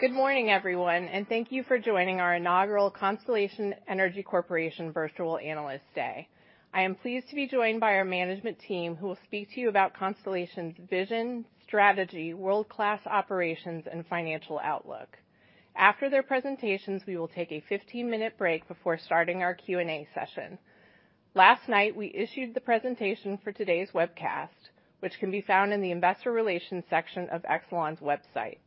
Good morning, everyone, and thank you for joining our inaugural Constellation Energy Corporation Virtual Analyst Day. I am pleased to be joined by our management team who will speak to you about Constellation's vision, strategy, world-class operations and financial outlook. After their presentations, we will take a 15-minute break before starting our Q&A session. Last night, we issued the presentation for today's webcast, which can be found in the investor relations section of Exelon's website.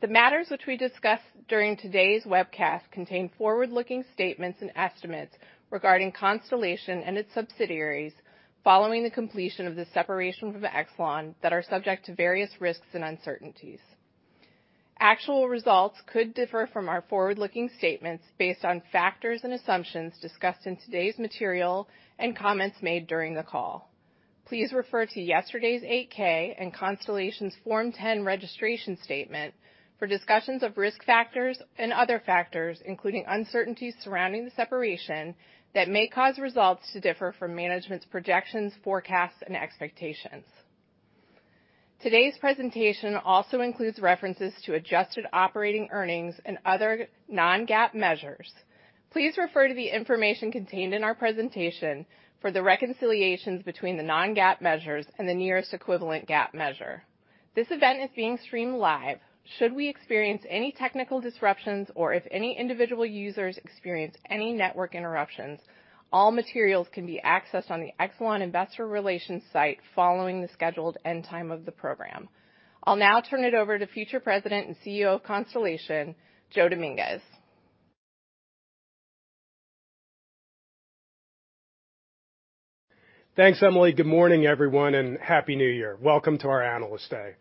The matters which we discuss during today's webcast contain forward-looking statements and estimates regarding Constellation and its subsidiaries following the completion of the separation from Exelon that are subject to various risks and uncertainties. Actual results could differ from our forward-looking statements based on factors and assumptions discussed in today's material and comments made during the call. Please refer to yesterday's 8-K and Constellation's Form 10 registration statement for discussions of risk factors and other factors, including uncertainties surrounding the separation that may cause results to differ from management's projections, forecasts, and expectations. Today's presentation also includes references to adjusted operating earnings and other non-GAAP measures. Please refer to the information contained in our presentation for the reconciliations between the non-GAAP measures and the nearest equivalent GAAP measure. This event is being streamed live. Should we experience any technical disruptions, or if any individual users experience any network interruptions, all materials can be accessed on the Exelon investor relations site following the scheduled end time of the program. I'll now turn it over to future President and Chief Executive Officer of Constellation, Joe Dominguez. Thanks, Emily. Good morning, everyone, and happy New Year. Welcome to our Analyst Day.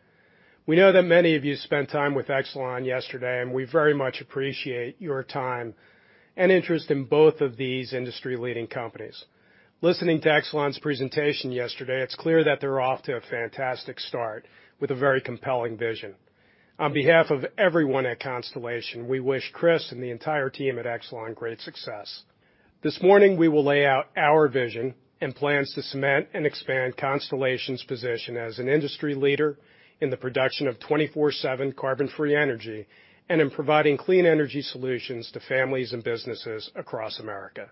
We know that many of you spent time with Exelon yesterday, and we very much appreciate your time and interest in both of these industry-leading companies. Listening to Exelon's presentation yesterday, it's clear that they're off to a fantastic start with a very compelling vision. On behalf of everyone at Constellation, we wish Chris and the entire team at Exelon great success. This morning, we will lay out our vision and plans to cement and expand Constellation's position as an industry leader in the production of 24/7 carbon-free energy and in providing clean energy solutions to families and businesses across America.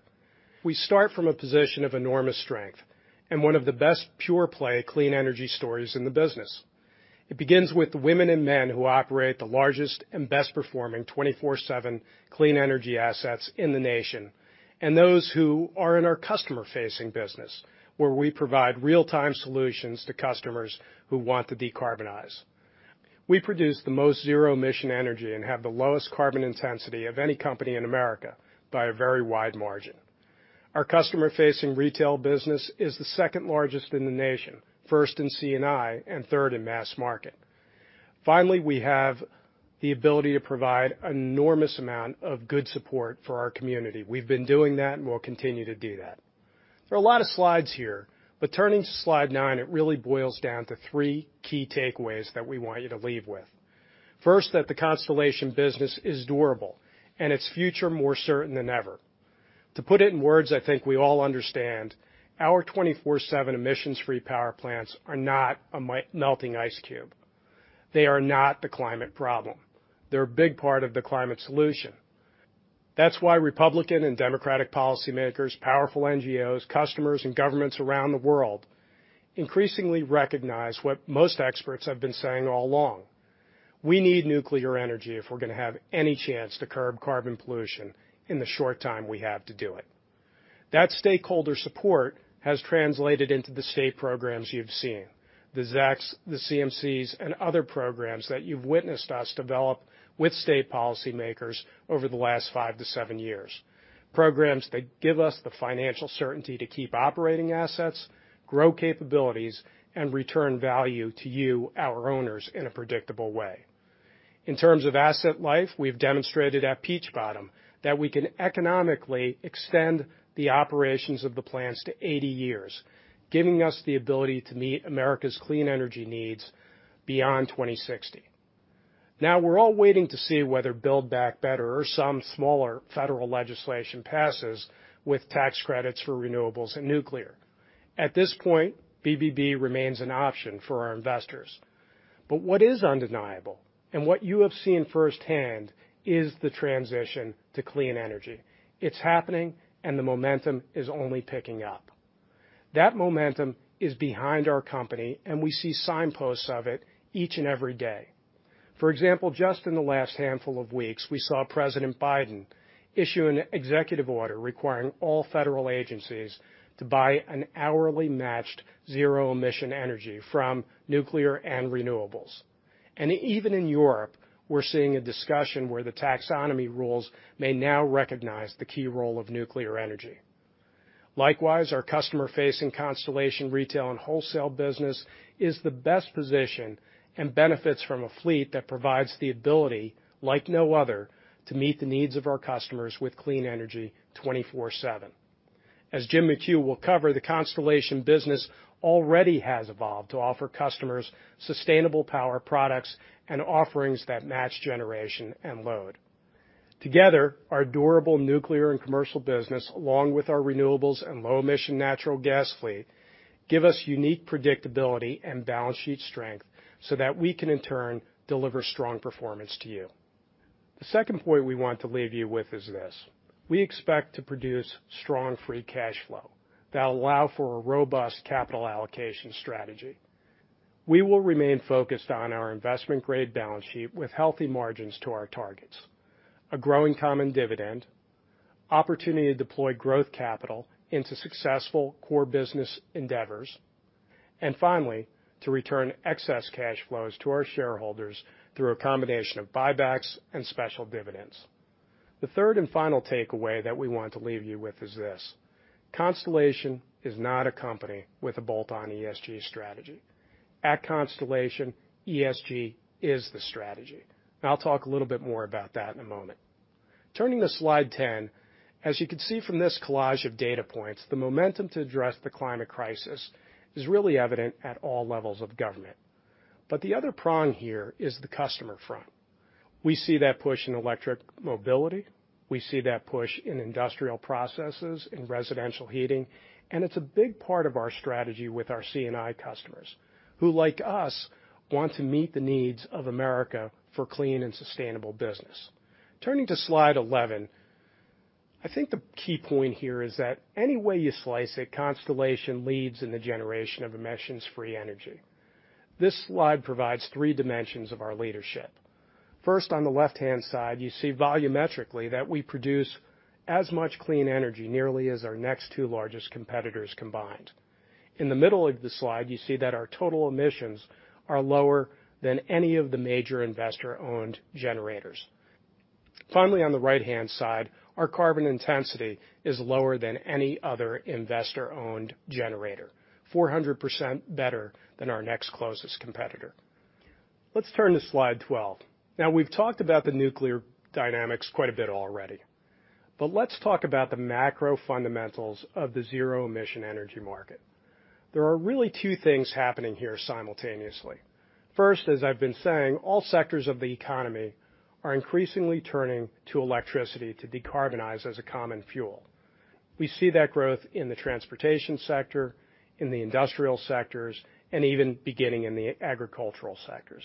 We start from a position of enormous strength and one of the best pure-play clean energy stories in the business. It begins with the women and men who operate the largest and best-performing 24/7 clean energy assets in the nation, and those who are in our customer-facing business, where we provide real-time solutions to customers who want to decarbonize. We produce the most zero-emission energy and have the lowest carbon intensity of any company in America by a very wide margin. Our customer-facing retail business is the second largest in the nation, first in C&I, and third in mass market. Finally, we have the ability to provide enormous amount of good support for our community. We've been doing that, and we'll continue to do that. There are a lot of slides here, but turning to slide nine, it really boils down to three key takeaways that we want you to leave with. First, that the Constellation business is durable and its future more certain than ever. To put it in words I think we all understand, our 24/7 emissions-free power plants are not a melting ice cube. They are not the climate problem. They're a big part of the climate solution. That's why Republican and Democratic policymakers, powerful NGOs, customers, and governments around the world increasingly recognize what most experts have been saying all along. We need nuclear energy if we're gonna have any chance to curb carbon pollution in the short time we have to do it. That stakeholder support has translated into the state programs you've seen, the ZECs, the CMCs, and other programs that you've witnessed us develop with state policymakers over the last five to seven years. Programs that give us the financial certainty to keep operating assets, grow capabilities, and return value to you, our owners, in a predictable way. In terms of asset life, we've demonstrated at Peach Bottom that we can economically extend the operations of the plants to 80 years, giving us the ability to meet America's clean energy needs beyond 2060. Now, we're all waiting to see whether Build Back Better or some smaller federal legislation passes with tax credits for renewables and nuclear. At this point, BBB remains an option for our investors. What is undeniable and what you have seen firsthand is the transition to clean energy. It's happening, and the momentum is only picking up. That momentum is behind our company, and we see signposts of it each and every day. For example, just in the last handful of weeks, we saw President Biden issue an executive order requiring all federal agencies to buy an hourly matched zero-emission energy from nuclear and renewables. Even in Europe, we're seeing a discussion where the taxonomy rules may now recognize the key role of nuclear energy. Likewise, our customer-facing Constellation retail and wholesale business is the best position and benefits from a fleet that provides the ability like no other to meet the needs of our customers with clean energy 24/7. As Jim McHugh will cover, the Constellation business already has evolved to offer customers sustainable power products and offerings that match generation and load. Together, our durable nuclear and commercial business, along with our renewables and low emission natural gas fleet, give us unique predictability and balance sheet strength so that we can in turn deliver strong performance to you. The second point we want to leave you with is this, we expect to produce strong free cash flow that'll allow for a robust capital allocation strategy. We will remain focused on our investment-grade balance sheet with healthy margins to our targets, a growing common dividend, opportunity to deploy growth capital into successful core business endeavors, and finally, to return excess cash flows to our shareholders through a combination of buybacks and special dividends. The third and final takeaway that we want to leave you with is this. Constellation is not a company with a bolt-on ESG strategy. At Constellation, ESG is the strategy, and I'll talk a little bit more about that in a moment. Turning to slide 10, as you can see from this collage of data points, the momentum to address the climate crisis is really evident at all levels of government. The other prong here is the customer front. We see that push in electric mobility, we see that push in industrial processes, in residential heating, and it's a big part of our strategy with our C&I customers, who like us, want to meet the needs of America for clean and sustainable business. Turning to slide 11, I think the key point here is that any way you slice it, Constellation leads in the generation of emissions free energy. This slide provides three dimensions of our leadership. First, on the left-hand side, you see volumetrically that we produce as much clean energy nearly as our next two largest competitors combined. In the middle of the slide, you see that our total emissions are lower than any of the major investor-owned generators. Finally, on the right-hand side, our carbon intensity is lower than any other investor-owned generator, 400% better than our next closest competitor. Let's turn to slide 12. Now, we've talked about the nuclear dynamics quite a bit already, but let's talk about the macro fundamentals of the zero emission energy market. There are really two things happening here simultaneously. First, as I've been saying, all sectors of the economy are increasingly turning to electricity to decarbonize as a common fuel. We see that growth in the transportation sector, in the industrial sectors, and even beginning in the agricultural sectors.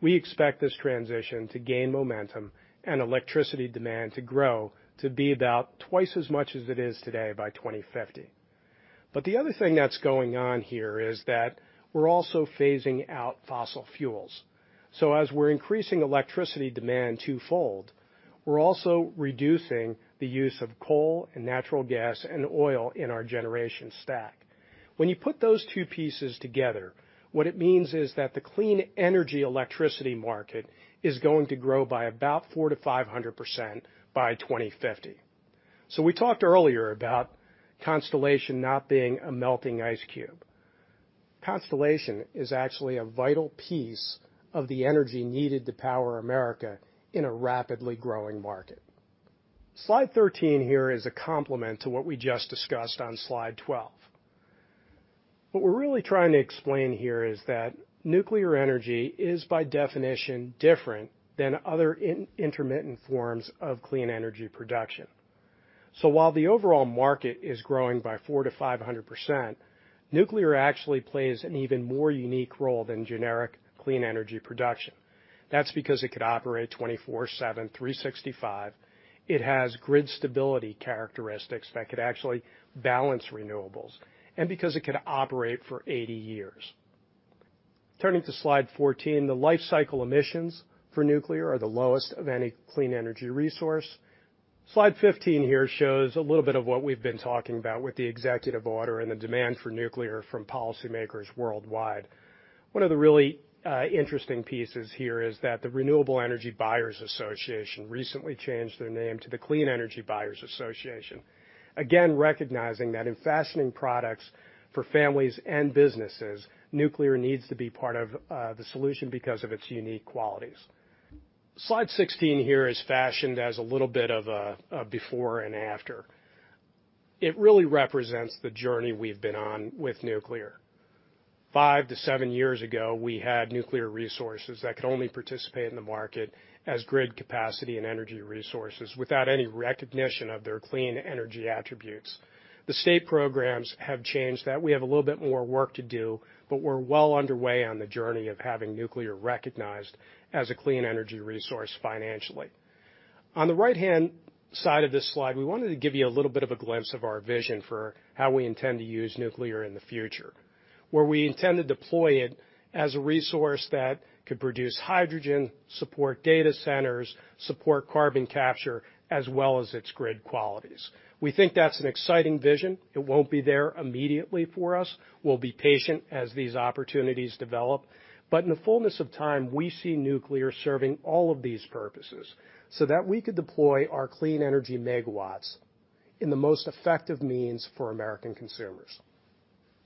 We expect this transition to gain momentum and electricity demand to grow to be about twice as much as it is today by 2050. The other thing that's going on here is that we're also phasing out fossil fuels. As we're increasing electricity demand twofold, we're also reducing the use of coal and natural gas and oil in our generation stack. When you put those two pieces together, what it means is that the clean energy electricity market is going to grow by about 400%-500% by 2050. We talked earlier about Constellation not being a melting ice cube. Constellation is actually a vital piece of the energy needed to power America in a rapidly growing market. Slide 13 here is a complement to what we just discussed on slide 12. What we're really trying to explain here is that nuclear energy is by definition different than other non-intermittent forms of clean energy production. While the overall market is growing by 400%-500%, nuclear actually plays an even more unique role than generic clean energy production. That's because it could operate 24/7, 365, it has grid stability characteristics that could actually balance renewables, and because it could operate for 80 years. Turning to slide 14, the life cycle emissions for nuclear are the lowest of any clean energy resource. Slide 15 here shows a little bit of what we've been talking about with the executive order and the demand for nuclear from policymakers worldwide. One of the really interesting pieces here is that the Renewable Energy Buyers Alliance recently changed their name to the Clean Energy Buyers Association. Again, recognizing that in fashioning products for families and businesses, nuclear needs to be part of the solution because of its unique qualities. Slide 16 here is fashioned as a little bit of a before and after. It really represents the journey we've been on with nuclear. Five to seven years ago, we had nuclear resources that could only participate in the market as grid capacity and energy resources without any recognition of their clean energy attributes. The state programs have changed that. We have a little bit more work to do, but we're well underway on the journey of having nuclear recognized as a clean energy resource financially. On the right-hand side of this slide, we wanted to give you a little bit of a glimpse of our vision for how we intend to use nuclear in the future, where we intend to deploy it as a resource that could produce hydrogen, support data centers, support carbon capture, as well as its grid qualities. We think that's an exciting vision. It won't be there immediately for us. We'll be patient as these opportunities develop. In the fullness of time, we see nuclear serving all of these purposes so that we could deploy our clean energy megawatts in the most effective means for American consumers.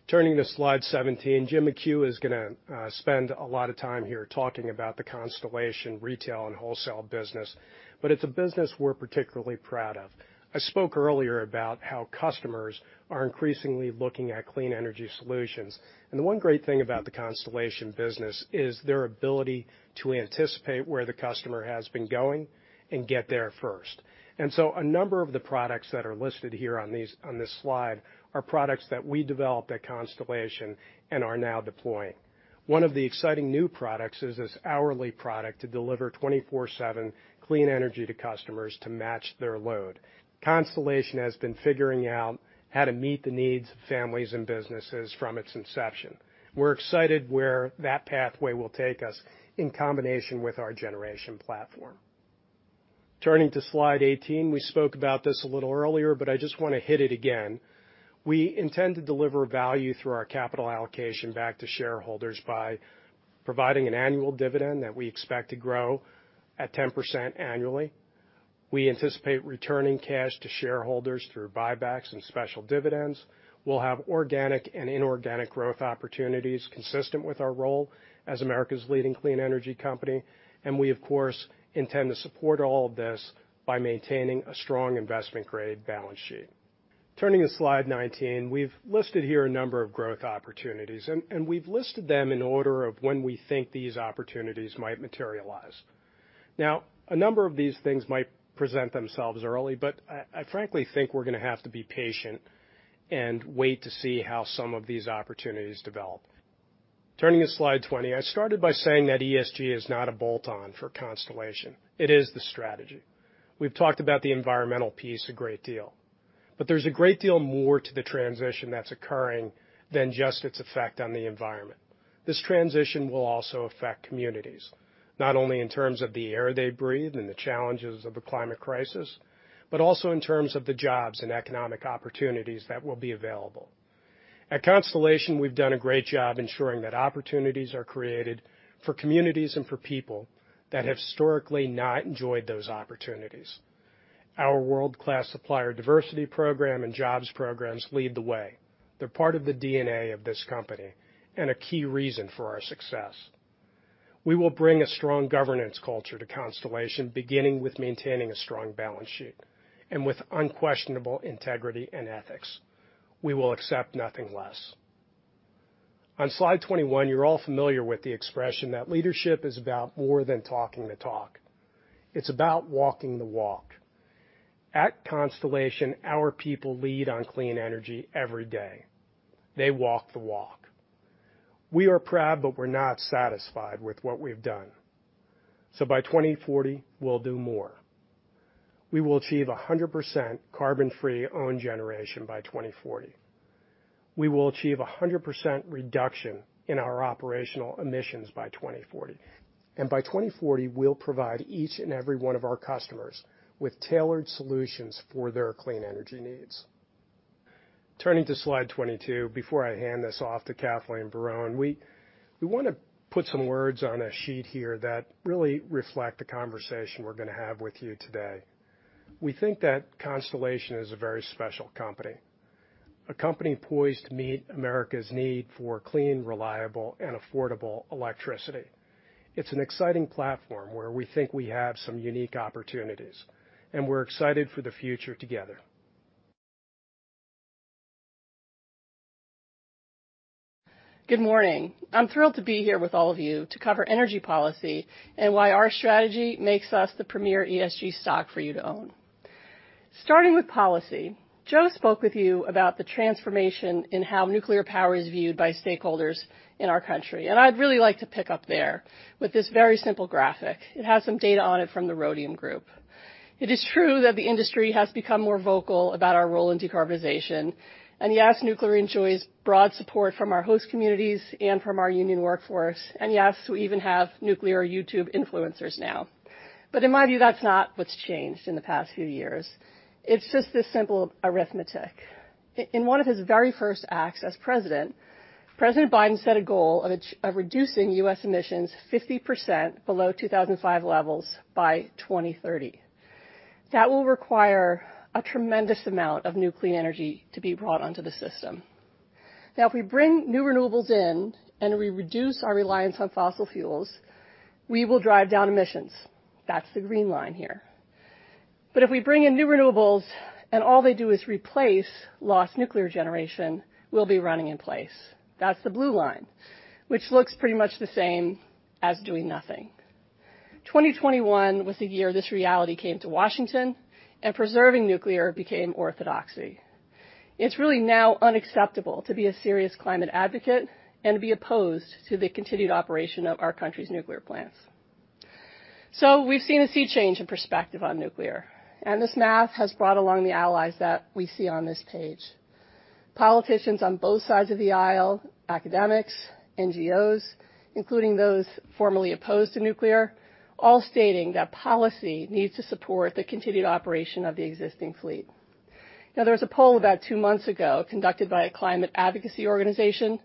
Turning to slide 17, Jim McHugh is going to spend a lot of time here talking about the Constellation retail and wholesale business, but it's a business we're particularly proud of. I spoke earlier about how customers are increasingly looking at clean energy solutions, and the one great thing about the Constellation business is their ability to anticipate where the customer has been going and get there first. A number of the products that are listed here on this slide are products that we developed at Constellation and are now deploying. One of the exciting new products is this hourly product to deliver 24/7 clean energy to customers to match their load. Constellation has been figuring out how to meet the needs of families and businesses from its inception. We're excited where that pathway will take us in combination with our generation platform. Turning to slide 18. We spoke about this a little earlier, but I just want to hit it again. We intend to deliver value through our capital allocation back to shareholders by providing an annual dividend that we expect to grow at 10% annually. We anticipate returning cash to shareholders through buybacks and special dividends. We'll have organic and inorganic growth opportunities consistent with our role as America's leading clean energy company. We of course intend to support all of this by maintaining a strong investment-grade balance sheet. Turning to slide 19. We've listed here a number of growth opportunities, and we've listed them in order of when we think these opportunities might materialize. Now, a number of these things might present themselves early, but I frankly think we're gonna have to be patient and wait to see how some of these opportunities develop. Turning to slide 20. I started by saying that ESG is not a bolt-on for Constellation. It is the strategy. We've talked about the environmental piece a great deal, but there's a great deal more to the transition that's occurring than just its effect on the environment. This transition will also affect communities, not only in terms of the air they breathe and the challenges of the climate crisis, but also in terms of the jobs and economic opportunities that will be available. At Constellation, we've done a great job ensuring that opportunities are created for communities and for people that have historically not enjoyed those opportunities. Our world-class supplier diversity program and jobs programs lead the way. They're part of the DNA of this company and a key reason for our success. We will bring a strong governance culture to Constellation, beginning with maintaining a strong balance sheet and with unquestionable integrity and ethics. We will accept nothing less. On slide 21, you're all familiar with the expression that leadership is about more than talking the talk. It's about walking the walk. At Constellation, our people lead on clean energy every day. They walk the walk. We are proud, but we're not satisfied with what we've done. By 2040, we'll do more. We will achieve 100% carbon-free own generation by 2040. We will achieve 100% reduction in our operational emissions by 2040. By 2040, we'll provide each and every one of our customers with tailored solutions for their clean energy needs. Turning to slide 22, before I hand this off to Kathleen Barrón, we wanna put some words on a sheet here that really reflect the conversation we're gonna have with you today. We think that Constellation is a very special company, a company poised to meet America's need for clean, reliable, and affordable electricity. It's an exciting platform where we think we have some unique opportunities, and we're excited for the future together. Good morning. I'm thrilled to be here with all of you to cover energy policy and why our strategy makes us the premier ESG stock for you to own. Starting with policy, Joe spoke with you about the transformation in how nuclear power is viewed by stakeholders in our country, and I'd really like to pick up there with this very simple graphic. It has some data on it from the Rhodium Group. It is true that the industry has become more vocal about our role in decarbonization. Yes, nuclear enjoys broad support from our host communities and from our union workforce. Yes, we even have nuclear YouTube influencers now. In my view, that's not what's changed in the past few years. It's just this simple arithmetic. In one of his very first acts as president, President Biden set a goal of reducing U.S. emissions 50% below 2005 levels by 2030. That will require a tremendous amount of nuclear energy to be brought onto the system. Now, if we bring new renewables in and we reduce our reliance on fossil fuels, we will drive down emissions. That's the green line here. But if we bring in new renewables and all they do is replace lost nuclear generation, we'll be running in place. That's the blue line, which looks pretty much the same as doing nothing. 2021 was the year this reality came to Washington and preserving nuclear became orthodoxy. It's really now unacceptable to be a serious climate advocate and be opposed to the continued operation of our country's nuclear plants. We've seen a sea change in perspective on nuclear, and this math has brought along the allies that we see on this page. Politicians on both sides of the aisle, academics, NGOs, including those formerly opposed to nuclear, all stating that policy needs to support the continued operation of the existing fleet. Now, there was a poll about two months ago conducted by a climate advocacy organization.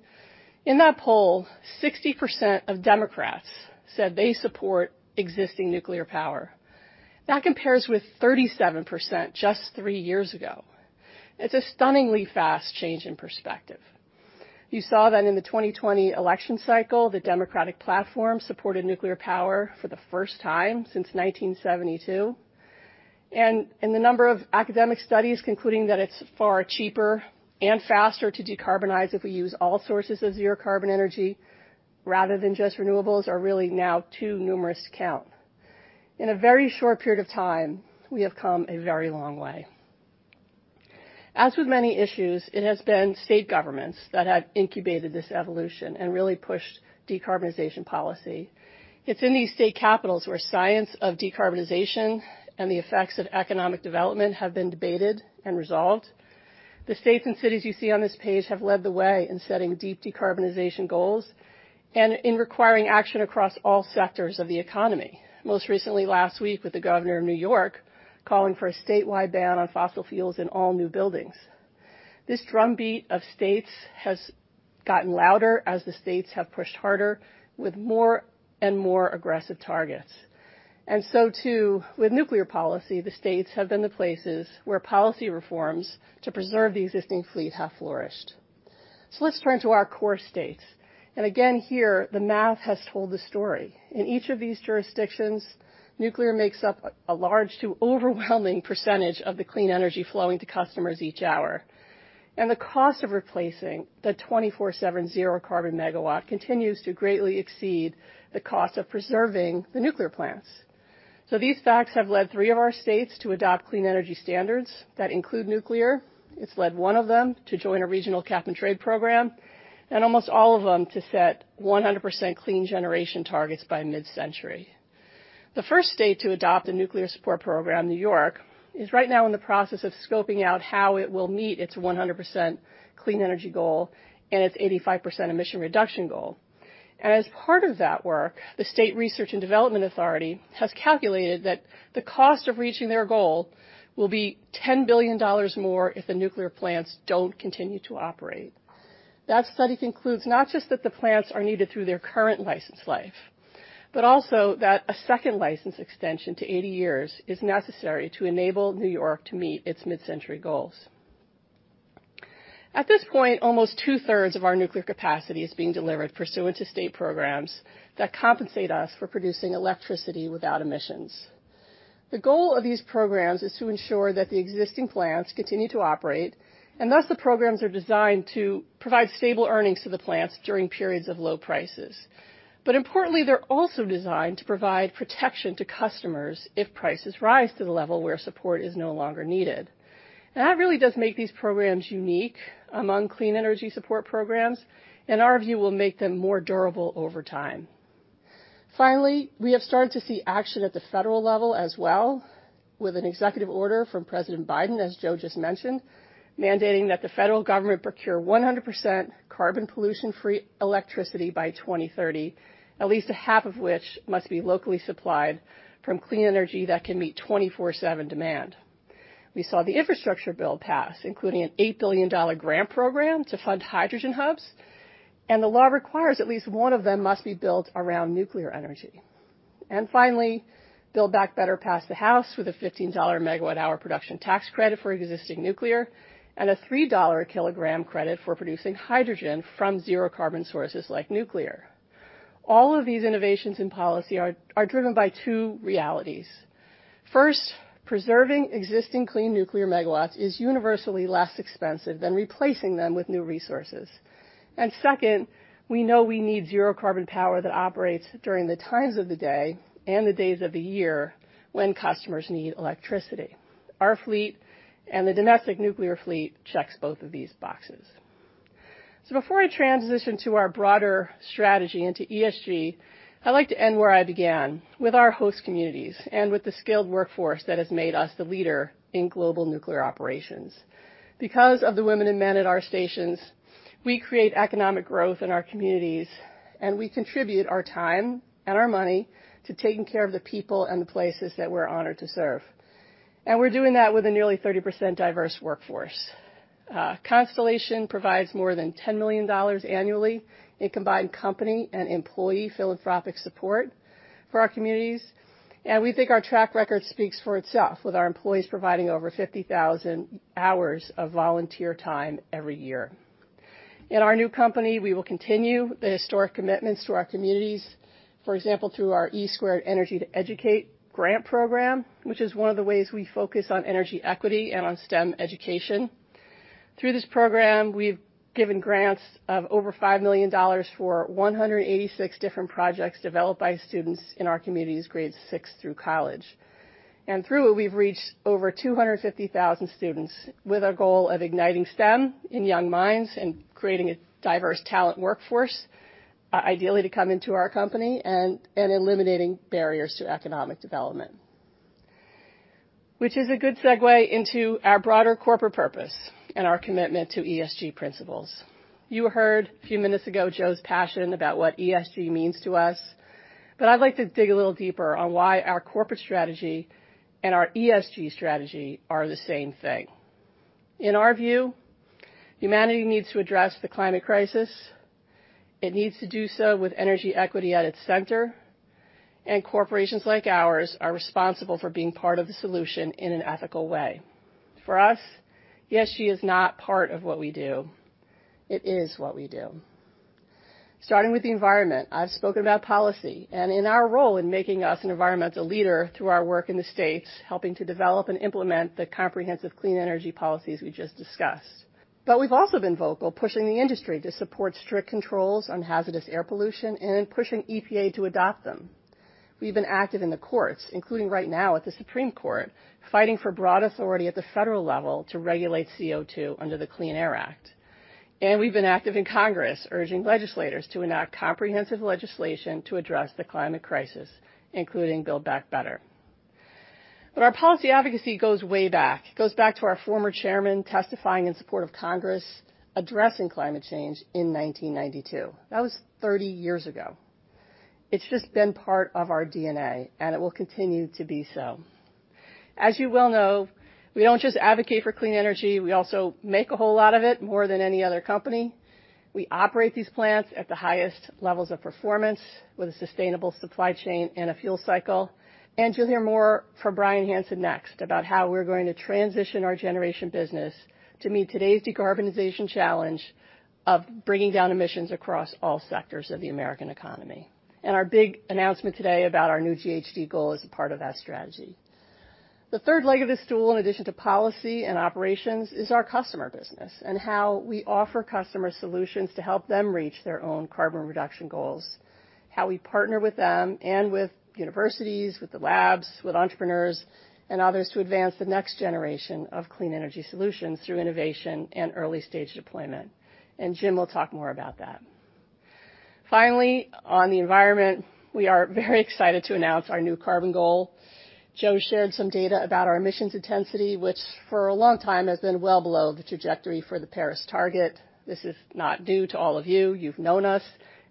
In that poll, 60% of Democrats said they support existing nuclear power. That compares with 37% just three years ago. It's a stunningly fast change in perspective. You saw that in the 2020 election cycle, the Democratic platform supported nuclear power for the first time since 1972. The number of academic studies concluding that it's far cheaper and faster to decarbonize if we use all sources of zero carbon energy rather than just renewables are really now too numerous to count. In a very short period of time, we have come a very long way. As with many issues, it has been state governments that have incubated this evolution and really pushed decarbonization policy. It's in these state capitals where science of decarbonization and the effects of economic development have been debated and resolved. The states and cities you see on this page have led the way in setting deep decarbonization goals and in requiring action across all sectors of the economy. Most recently last week, with the Governor of New York calling for a statewide ban on fossil fuels in all new buildings. This drumbeat of states has gotten louder as the states have pushed harder with more and more aggressive targets. Too, with nuclear policy, the states have been the places where policy reforms to preserve the existing fleet have flourished. Let's turn to our core states. Again here, the math has told the story. In each of these jurisdictions, nuclear makes up a large to overwhelming percentage of the clean energy flowing to customers each hour. The cost of replacing the twenty-four-seven zero carbon megawatt continues to greatly exceed the cost of preserving the nuclear plants. These facts have led three of our states to adopt clean energy standards that include nuclear. It's led one of them to join a regional cap-and-trade program, and almost all of them to set 100% clean generation targets by mid-century. The first state to adopt a nuclear support program, New York, is right now in the process of scoping out how it will meet its 100% clean energy goal and its 85% emission reduction goal. As part of that work, the State Research and Development Authority has calculated that the cost of reaching their goal will be $10 billion more if the nuclear plants don't continue to operate. That study concludes not just that the plants are needed through their current licensed life, but also that a second license extension to 80 years is necessary to enable New York to meet its mid-century goals. At this point, almost two-thirds of our nuclear capacity is being delivered pursuant to state programs that compensate us for producing electricity without emissions. The goal of these programs is to ensure that the existing plants continue to operate, and thus the programs are designed to provide stable earnings to the plants during periods of low prices. Importantly, they're also designed to provide protection to customers if prices rise to the level where support is no longer needed. That really does make these programs unique among clean energy support programs, in our view, will make them more durable over time. Finally, we have started to see action at the federal level as well, with an executive order from President Biden, as Joe just mentioned, mandating that the federal government procure 100% carbon pollution-free electricity by 2030, at least a half of which must be locally supplied from clean energy that can meet 24/7 demand. We saw the infrastructure bill pass, including an $8 billion grant program to fund hydrogen hubs, and the law requires at least one of them must be built around nuclear energy. Finally, Build Back Better passed the House with a $15/MWh production tax credit for existing nuclear and a $3/kg credit for producing hydrogen from zero carbon sources like nuclear. All of these innovations in policy are driven by two realities. First, preserving existing clean nuclear megawatts is universally less expensive than replacing them with new resources. Second, we know we need zero carbon power that operates during the times of the day and the days of the year when customers need electricity. Our fleet and the domestic nuclear fleet checks both of these boxes. Before I transition to our broader strategy into ESG, I'd like to end where I began with our host communities and with the skilled workforce that has made us the leader in global nuclear operations. Because of the women and men at our stations, we create economic growth in our communities, and we contribute our time and our money to taking care of the people and the places that we're honored to serve. We're doing that with a nearly 30% diverse workforce. Constellation provides more than $10 million annually in combined company and employee philanthropic support for our communities. We think our track record speaks for itself, with our employees providing over 50,000 hours of volunteer time every year. In our new company, we will continue the historic commitments to our communities, for example, through our E2 Energy to Educate grant program, which is one of the ways we focus on energy equity and on STEM education. Through this program, we've given grants of over $5 million for 186 different projects developed by students in our communities grades six through college. Through it, we've reached over 250,000 students with a goal of igniting STEM in young minds and creating a diverse talent workforce, ideally to come into our company and eliminating barriers to economic development. Which is a good segue into our broader corporate purpose and our commitment to ESG principles. You heard a few minutes ago, Joe's passion about what ESG means to us, but I'd like to dig a little deeper on why our corporate strategy and our ESG strategy are the same thing. In our view, humanity needs to address the climate crisis. It needs to do so with energy equity at its center, and corporations like ours are responsible for being part of the solution in an ethical way. For us, ESG is not part of what we do. It is what we do. Starting with the environment, I've spoken about policy and in our role in making us an environmental leader through our work in the States, helping to develop and implement the comprehensive clean energy policies we just discussed. We've also been vocal, pushing the industry to support strict controls on hazardous air pollution and in pushing EPA to adopt them. We've been active in the courts, including right now at the Supreme Court, fighting for broad authority at the federal level to regulate CO₂ under the Clean Air Act. We've been active in Congress, urging legislators to enact comprehensive legislation to address the climate crisis, including Build Back Better. Our policy advocacy goes way back. It goes back to our former chairman testifying in support of Congress, addressing climate change in 1992. That was 30 years ago. It's just been part of our DNA, and it will continue to be so. As you well know, we don't just advocate for clean energy, we also make a whole lot of it, more than any other company. We operate these plants at the highest levels of performance with a sustainable supply chain and a fuel cycle. You'll hear more from Bryan Hanson next about how we're going to transition our generation business to meet today's decarbonization challenge of bringing down emissions across all sectors of the American economy. Our big announcement today about our new GHG goal is a part of that strategy. The third leg of this stool, in addition to policy and operations, is our customer business and how we offer customer solutions to help them reach their own carbon reduction goals, how we partner with them and with universities, with the labs, with entrepreneurs and others to advance the next generation of clean energy solutions through innovation and early-stage deployment. Jim will talk more about that. Finally, on the environment, we are very excited to announce our new carbon goal. Joe shared some data about our emissions intensity, which for a long time has been well below the trajectory for the Paris target. This is not new to all of you. You've known us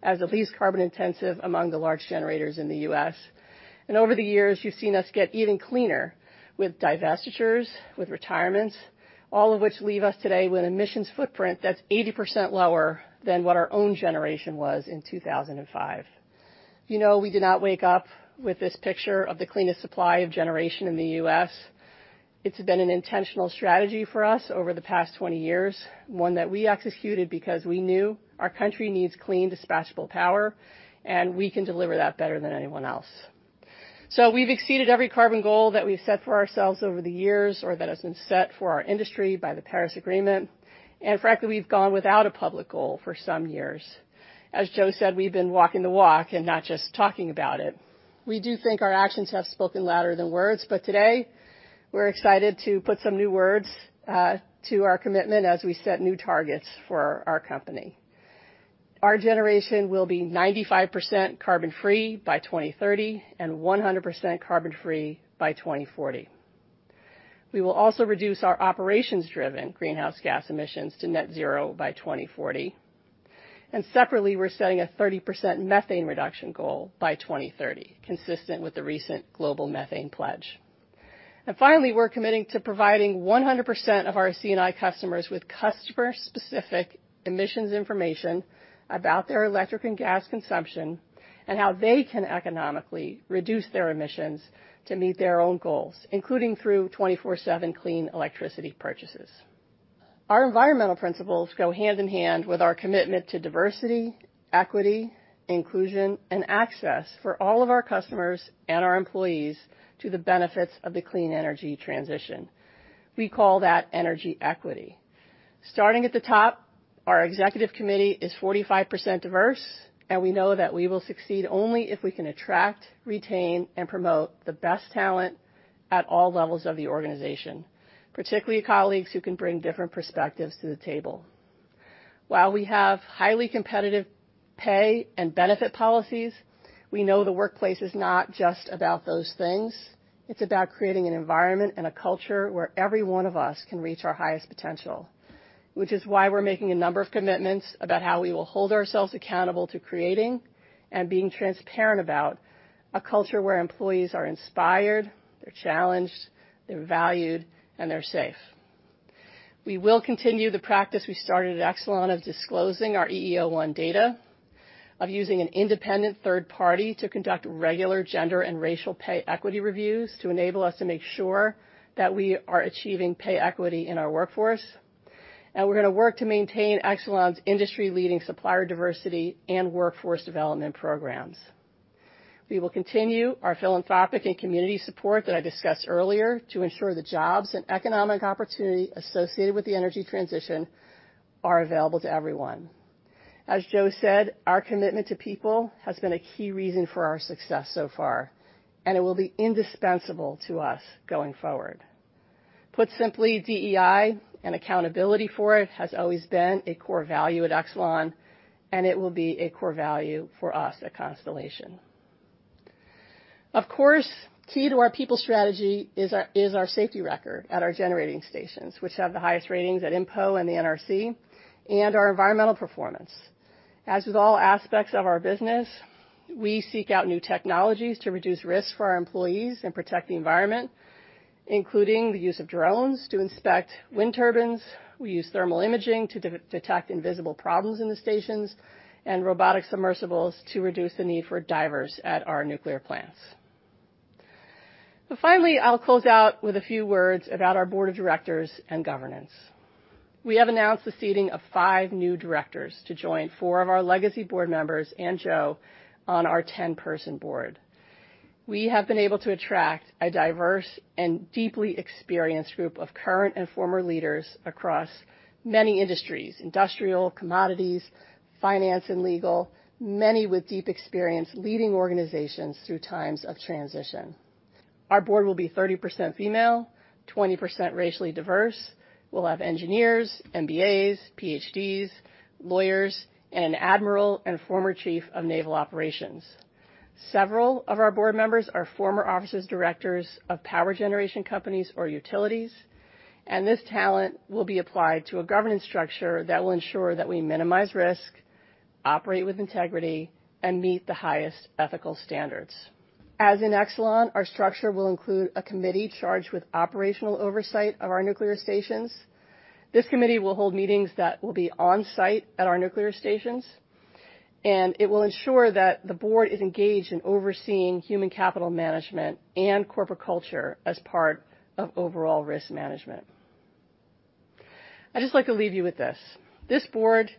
as the least carbon intensive among the large generators in the U.S. Over the years, you've seen us get even cleaner with divestitures, with retirements, all of which leave us today with emissions footprint that's 80% lower than what our own generation was in 2005. You know, we did not wake up with this picture of the cleanest supply of generation in the U.S. It's been an intentional strategy for us over the past 20 years, one that we executed because we knew our country needs clean, dispatchable power, and we can deliver that better than anyone else. We've exceeded every carbon goal that we've set for ourselves over the years or that has been set for our industry by the Paris Agreement. Frankly, we've gone without a public goal for some years. As Joe said, we've been walking the walk and not just talking about it. We do think our actions have spoken louder than words, but today we're excited to put some new words to our commitment as we set new targets for our company. Our generation will be 95% carbon free by 2030 and 100% carbon free by 2040. We will also reduce our operations-driven greenhouse gas emissions to net zero by 2040. Separately, we're setting a 30% methane reduction goal by 2030, consistent with the recent Global Methane Pledge. Finally, we're committing to providing 100% of our C&I customers with customer-specific emissions information about their electric and gas consumption and how they can economically reduce their emissions to meet their own goals, including through 24/7 clean electricity purchases. Our environmental principles go hand in hand with our commitment to diversity, equity, inclusion, and access for all of our customers and our employees to the benefits of the clean energy transition. We call that energy equity. Starting at the top, our executive committee is 45% diverse, and we know that we will succeed only if we can attract, retain, and promote the best talent at all levels of the organization, particularly colleagues who can bring different perspectives to the table. While we have highly competitive pay and benefit policies, we know the workplace is not just about those things. It's about creating an environment and a culture where every one of us can reach our highest potential, which is why we're making a number of commitments about how we will hold ourselves accountable to creating and being transparent about a culture where employees are inspired, they're challenged, they're valued, and they're safe. We will continue the practice we started at Exelon of disclosing our EEO-1 data, of using an independent third party to conduct regular gender and racial pay equity reviews to enable us to make sure that we are achieving pay equity in our workforce. We're gonna work to maintain Exelon's industry-leading supplier diversity and workforce development programs. We will continue our philanthropic and community support that I discussed earlier to ensure the jobs and economic opportunity associated with the energy transition are available to everyone. As Joe said, our commitment to people has been a key reason for our success so far, and it will be indispensable to us going forward. Put simply, DEI and accountability for it has always been a core value at Exelon, and it will be a core value for us at Constellation. Of course, key to our people strategy is our safety record at our generating stations, which have the highest ratings at INPO and the NRC, and our environmental performance. As with all aspects of our business, we seek out new technologies to reduce risks for our employees and protect the environment, including the use of drones to inspect wind turbines. We use thermal imaging to detect invisible problems in the stations and robotic submersibles to reduce the need for divers at our nuclear plants. Finally, I'll close out with a few words about our board of directors and governance. We have announced the seating of five new directors to join four of our legacy board members and Joe on our 10-person board. We have been able to attract a diverse and deeply experienced group of current and former leaders across many industries, industrial, commodities, finance, and legal, many with deep experience leading organizations through times of transition. Our board will be 30% female, 20% racially diverse. We'll have engineers, MBAs, PhDs, lawyers, and an admiral and former Chief of Naval Operations. Several of our board members are former officers, directors of power generation companies or utilities, and this talent will be applied to a governance structure that will ensure that we minimize risk, operate with integrity, and meet the highest ethical standards. As in Exelon, our structure will include a committee charged with operational oversight of our nuclear stations. This committee will hold meetings that will be on-site at our nuclear stations, and it will ensure that the board is engaged in overseeing human capital management and corporate culture as part of overall risk management. I'd just like to leave you with this. This board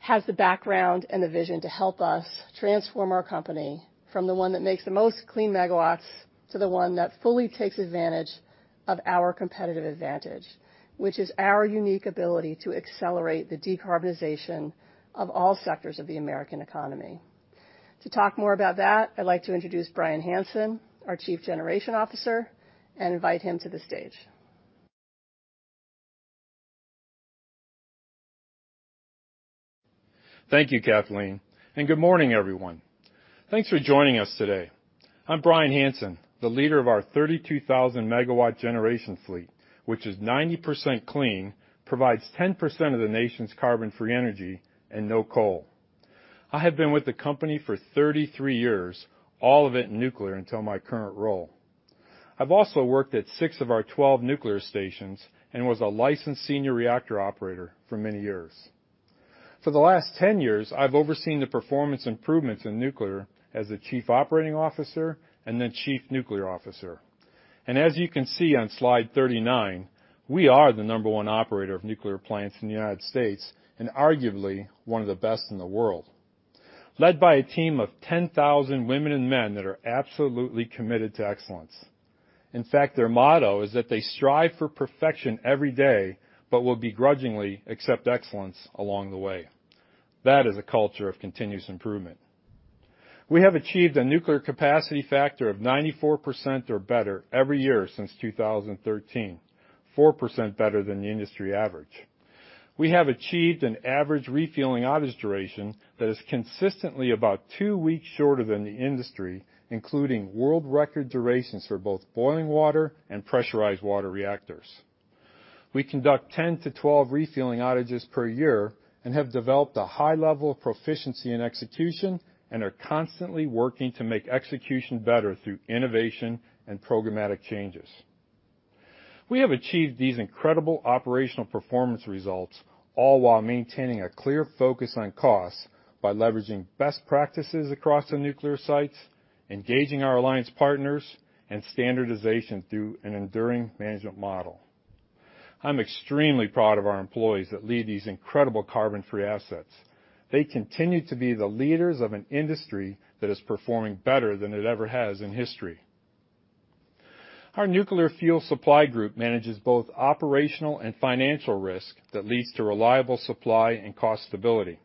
has the background and the vision to help us transform our company from the one that makes the most clean megawatts to the one that fully takes advantage of our competitive advantage, which is our unique ability to accelerate the decarbonization of all sectors of the American economy. To talk more about that, I'd like to introduce Bryan Hanson, our Chief Generation Officer, and invite him to the stage. Thank you, Kathleen, and good morning, everyone. Thanks for joining us today. I'm Bryan Hanson, the leader of our 32,000 MW generation fleet, which is 90% clean, provides 10% of the nation's carbon-free energy and no coal. I have been with the company for 33 years, all of it in nuclear until my current role. I've also worked at six of our 12 nuclear stations and was a licensed senior reactor operator for many years. For the last 10 years, I've overseen the performance improvements in nuclear as the Chief Operating Officer and then Chief Nuclear Officer. As you can see on slide 39, we are the number one operator of nuclear plants in the United States and arguably one of the best in the world, led by a team of 10,000 women and men that are absolutely committed to excellence. In fact, their motto is that they strive for perfection every day but will begrudgingly accept excellence along the way. That is a culture of continuous improvement. We have achieved a nuclear capacity factor of 94% or better every year since 2013, 4% better than the industry average. We have achieved an average refueling outage duration that is consistently about two weeks shorter than the industry, including world record durations for both boiling water and pressurized water reactors. We conduct 10-12 refueling outages per year and have developed a high level of proficiency in execution and are constantly working to make execution better through innovation and programmatic changes. We have achieved these incredible operational performance results all while maintaining a clear focus on cost by leveraging best practices across the nuclear sites, engaging our alliance partners, and standardization through an enduring management model. I'm extremely proud of our employees that lead these incredible carbon-free assets. They continue to be the leaders of an industry that is performing better than it ever has in history. Our nuclear fuel supply group manages both operational and financial risk that leads to reliable supply and cost stability.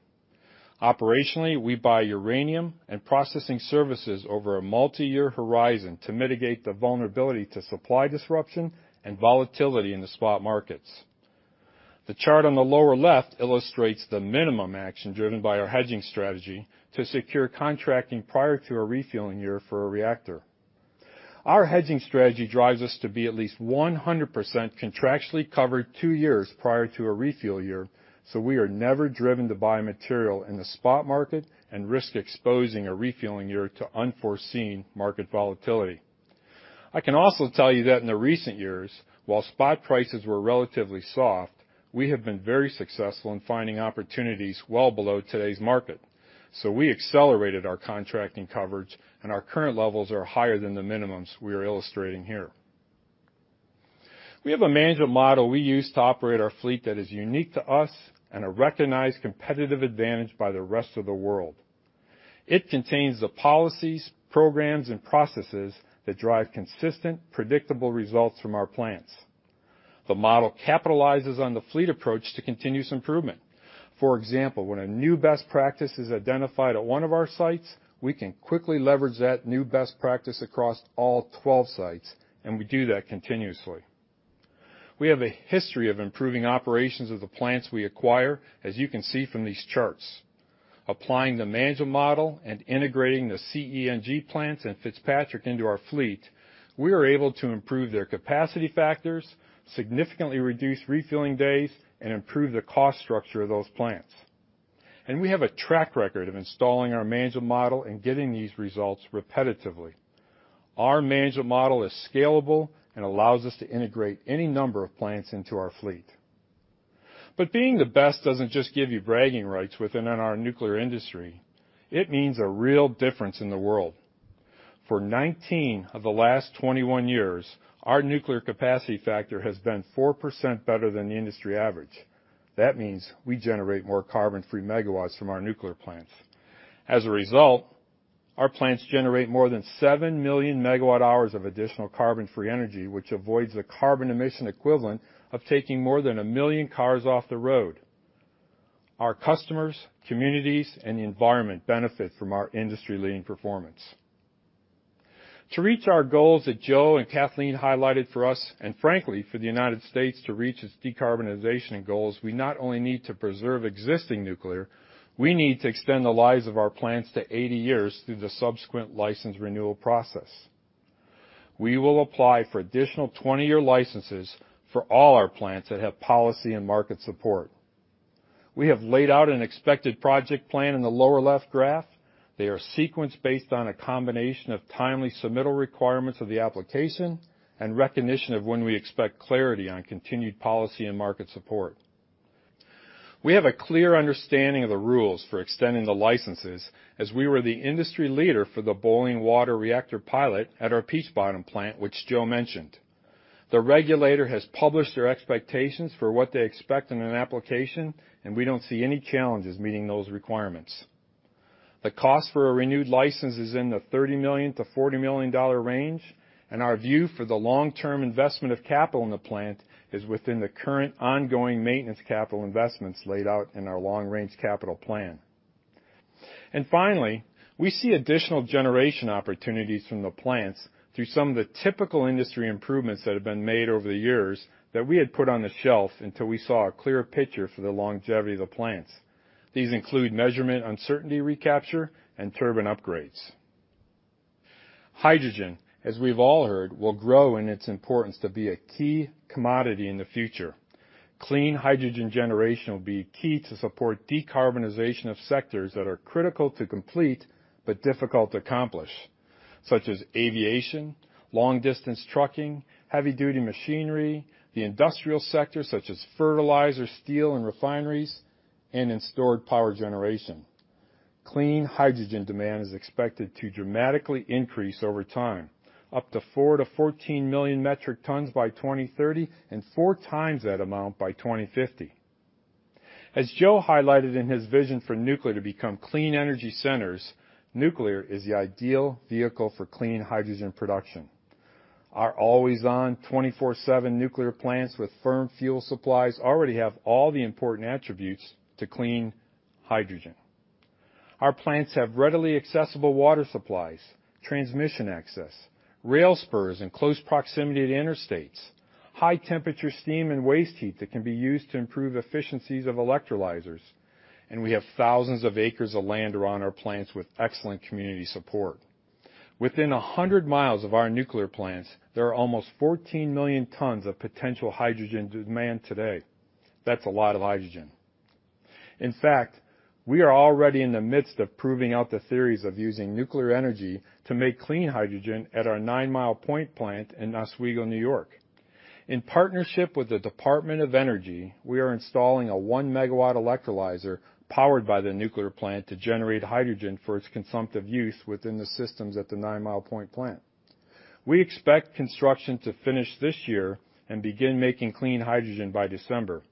Operationally, we buy uranium and processing services over a multi-year horizon to mitigate the vulnerability to supply disruption and volatility in the spot markets. The chart on the lower left illustrates the minimum action driven by our hedging strategy to secure contracting prior to a refueling year for a reactor. Our hedging strategy drives us to be at least 100% contractually covered two years prior to a refuel year, so we are never driven to buy material in the spot market and risk exposing a refueling year to unforeseen market volatility. I can also tell you that in the recent years, while spot prices were relatively soft, we have been very successful in finding opportunities well below today's market. We accelerated our contracting coverage, and our current levels are higher than the minimums we are illustrating here. We have a management model we use to operate our fleet that is unique to us and a recognized competitive advantage by the rest of the world. It contains the policies, programs, and processes that drive consistent, predictable results from our plants. The model capitalizes on the fleet approach to continuous improvement. For example, when a new best practice is identified at one of our sites, we can quickly leverage that new best practice across all 12 sites, and we do that continuously. We have a history of improving operations of the plants we acquire, as you can see from these charts. Applying the management model and integrating the CENG plants and Fitzpatrick into our fleet, we are able to improve their capacity factors, significantly reduce refueling days, and improve the cost structure of those plants. We have a track record of installing our management model and getting these results repetitively. Our management model is scalable and allows us to integrate any number of plants into our fleet. Being the best doesn't just give you bragging rights within our nuclear industry, it means a real difference in the world. For 19 of the last 21 years, our nuclear capacity factor has been 4% better than the industry average. That means we generate more carbon-free megawatts from our nuclear plants. As a result, our plants generate more than 7 million MWh of additional carbon-free energy, which avoids the carbon emission equivalent of taking more than a million cars off the road. Our customers, communities, and the environment benefit from our industry-leading performance. To reach our goals that Joe and Kathleen highlighted for us, and frankly, for the United States to reach its decarbonization goals, we not only need to preserve existing nuclear, we need to extend the lives of our plants to 80 years through the subsequent license renewal process. We will apply for additional 20-year licenses for all our plants that have policy and market support. We have laid out an expected project plan in the lower left graph. They are sequenced based on a combination of timely submittal requirements of the application and recognition of when we expect clarity on continued policy and market support. We have a clear understanding of the rules for extending the licenses as we were the industry leader for the boiling water reactor pilot at our Peach Bottom plant, which Joe mentioned. The regulator has published their expectations for what they expect in an application, and we don't see any challenges meeting those requirements. The cost for a renewed license is in the $30 million-$40 million range, and our view for the long-term investment of capital in the plant is within the current ongoing maintenance capital investments laid out in our long-range capital plan. Finally, we see additional generation opportunities from the plants through some of the typical industry improvements that have been made over the years that we had put on the shelf until we saw a clearer picture for the longevity of the plants. These include measurement, uncertainty recapture, and turbine upgrades. Hydrogen, as we've all heard, will grow in its importance to be a key commodity in the future. Clean hydrogen generation will be key to support decarbonization of sectors that are critical to complete but difficult to accomplish, such as aviation, long-distance trucking, heavy-duty machinery, the industrial sector such as fertilizer, steel, and refineries, and in stored power generation. Clean hydrogen demand is expected to dramatically increase over time, up to 4-14 million metric tons by 2030 and 4x that amount by 2050. As Joe highlighted in his vision for nuclear to become clean energy centers, nuclear is the ideal vehicle for clean hydrogen production. Our always-on, 24/7 nuclear plants with firm fuel supplies already have all the important attributes to clean hydrogen. Our plants have readily accessible water supplies, transmission access, rail spurs in close proximity to interstates, high-temperature steam and waste heat that can be used to improve efficiencies of electrolyzers, and we have thousands of acres of land around our plants with excellent community support. Within 100 miles of our nuclear plants, there are almost 14 million tons of potential hydrogen demand today. That's a lot of hydrogen. In fact, we are already in the midst of proving out the theories of using nuclear energy to make clean hydrogen at our Nine Mile Point plant in Oswego, New York. In partnership with the Department of Energy, we are installing a 1 MW electrolyzer powered by the nuclear plant to generate hydrogen for its consumptive use within the systems at the Nine Mile Point plant. We expect construction to finish this year and begin making clean hydrogen by December.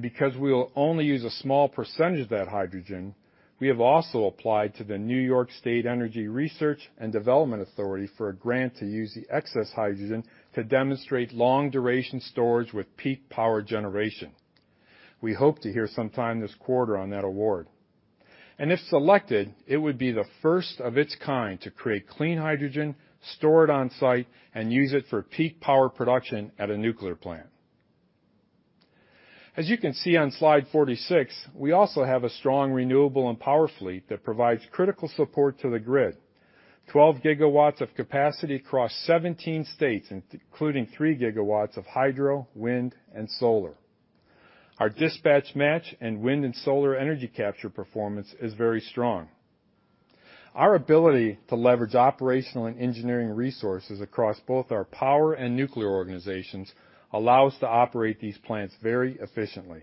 Because we will only use a small percentage of that hydrogen, we have also applied to the New York State Energy Research and Development Authority for a grant to use the excess hydrogen to demonstrate long-duration storage with peak power generation. We hope to hear sometime this quarter on that award. If selected, it would be the first of its kind to create clean hydrogen, store it on-site, and use it for peak power production at a nuclear plant. As you can see on slide 46, we also have a strong renewable and power fleet that provides critical support to the grid. 12 GW of capacity across 17 states, including 3 GW of hydro, wind, and solar. Our dispatch match and wind and solar energy capture performance is very strong. Our ability to leverage operational and engineering resources across both our power and nuclear organizations allows to operate these plants very efficiently.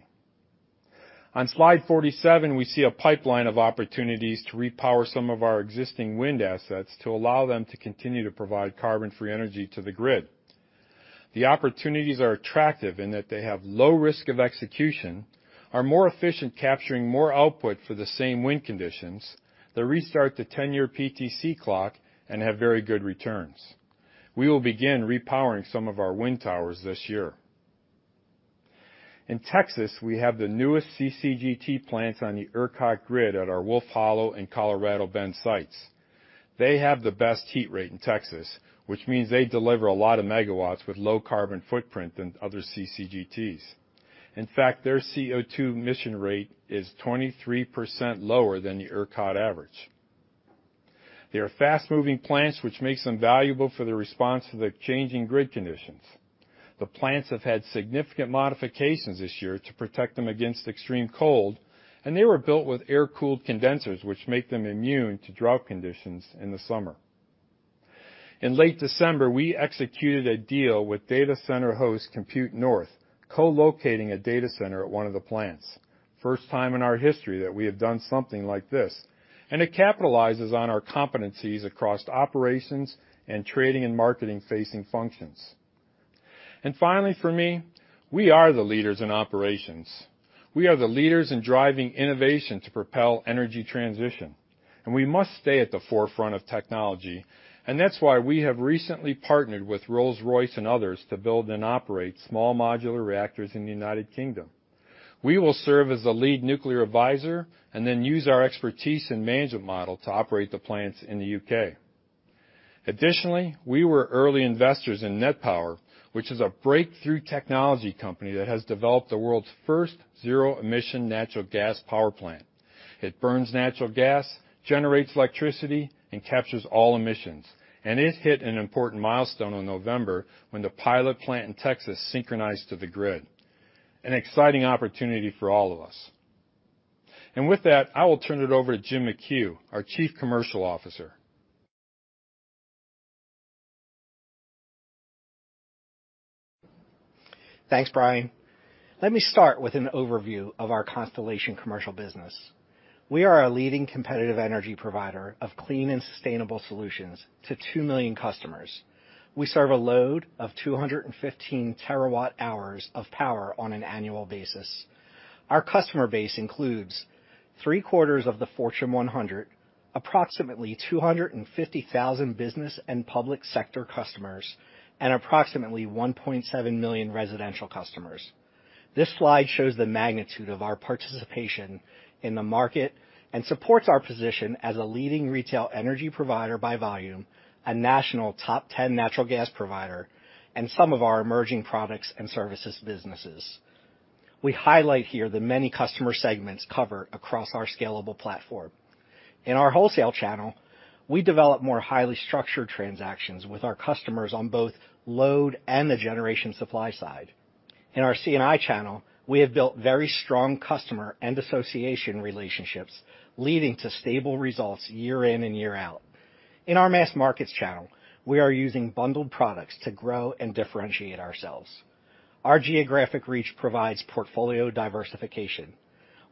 On slide 47, we see a pipeline of opportunities to repower some of our existing wind assets to allow them to continue to provide carbon-free energy to the grid. The opportunities are attractive in that they have low risk of execution, are more efficient capturing more output for the same wind conditions, they restart the 10-year PTC clock and have very good returns. We will begin repowering some of our wind towers this year. In Texas, we have the newest CCGT plants on the ERCOT grid at our Wolf Hollow and Colorado Bend sites. They have the best heat rate in Texas, which means they deliver a lot of megawatts with lower carbon footprint than other CCGTs. In fact, their CO₂ emission rate is 23% lower than the ERCOT average. They are fast-moving plants, which makes them valuable for the response to the changing grid conditions. The plants have had significant modifications this year to protect them against extreme cold, and they were built with air-cooled condensers, which make them immune to drought conditions in the summer. In late December, we executed a deal with data center host Compute North, co-locating a data center at one of the plants. First time in our history that we have done something like this, and it capitalizes on our competencies across operations and trading and marketing-facing functions. Finally, for me, we are the leaders in operations. We are the leaders in driving innovation to propel energy transition, and we must stay at the forefront of technology, and that's why we have recently partnered with Rolls-Royce and others to build and operate small modular reactors in the United Kingdom. We will serve as the lead nuclear advisor and then use our expertise and management model to operate the plants in the U.K. Additionally, we were early investors in Net Power, which is a breakthrough technology company that has developed the world's first zero-emission natural gas power plant. It burns natural gas, generates electricity, and captures all emissions. It hit an important milestone in November when the pilot plant in Texas synchronized to the grid. An exciting opportunity for all of us. With that, I will turn it over to Jim McHugh, our Chief Commercial Officer. Thanks, Bryan. Let me start with an overview of our Constellation commercial business. We are a leading competitive energy provider of clean and sustainable solutions to 2 million customers. We serve a load of 215 TWh of power on an annual basis. Our customer base includes three-quarters of the Fortune 100, approximately 250,000 business and public sector customers, and approximately 1.7 million residential customers. This slide shows the magnitude of our participation in the market and supports our position as a leading retail energy provider by volume, a national top 10 natural gas provider, and some of our emerging products and services businesses. We highlight here the many customer segments covered across our scalable platform. In our wholesale channel, we develop more highly structured transactions with our customers on both load and the generation supply side. In our C&I channel, we have built very strong customer and association relationships, leading to stable results year in and year out. In our mass markets channel, we are using bundled products to grow and differentiate ourselves. Our geographic reach provides portfolio diversification.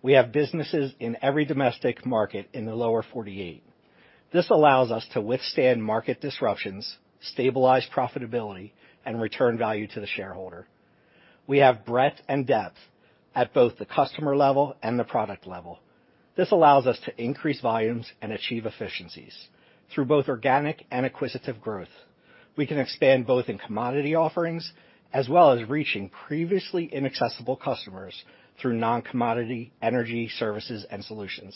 We have businesses in every domestic market in the lower 48. This allows us to withstand market disruptions, stabilize profitability, and return value to the shareholder. We have breadth and depth at both the customer level and the product level. This allows us to increase volumes and achieve efficiencies through both organic and acquisitive growth. We can expand both in commodity offerings as well as reaching previously inaccessible customers through non-commodity energy services and solutions.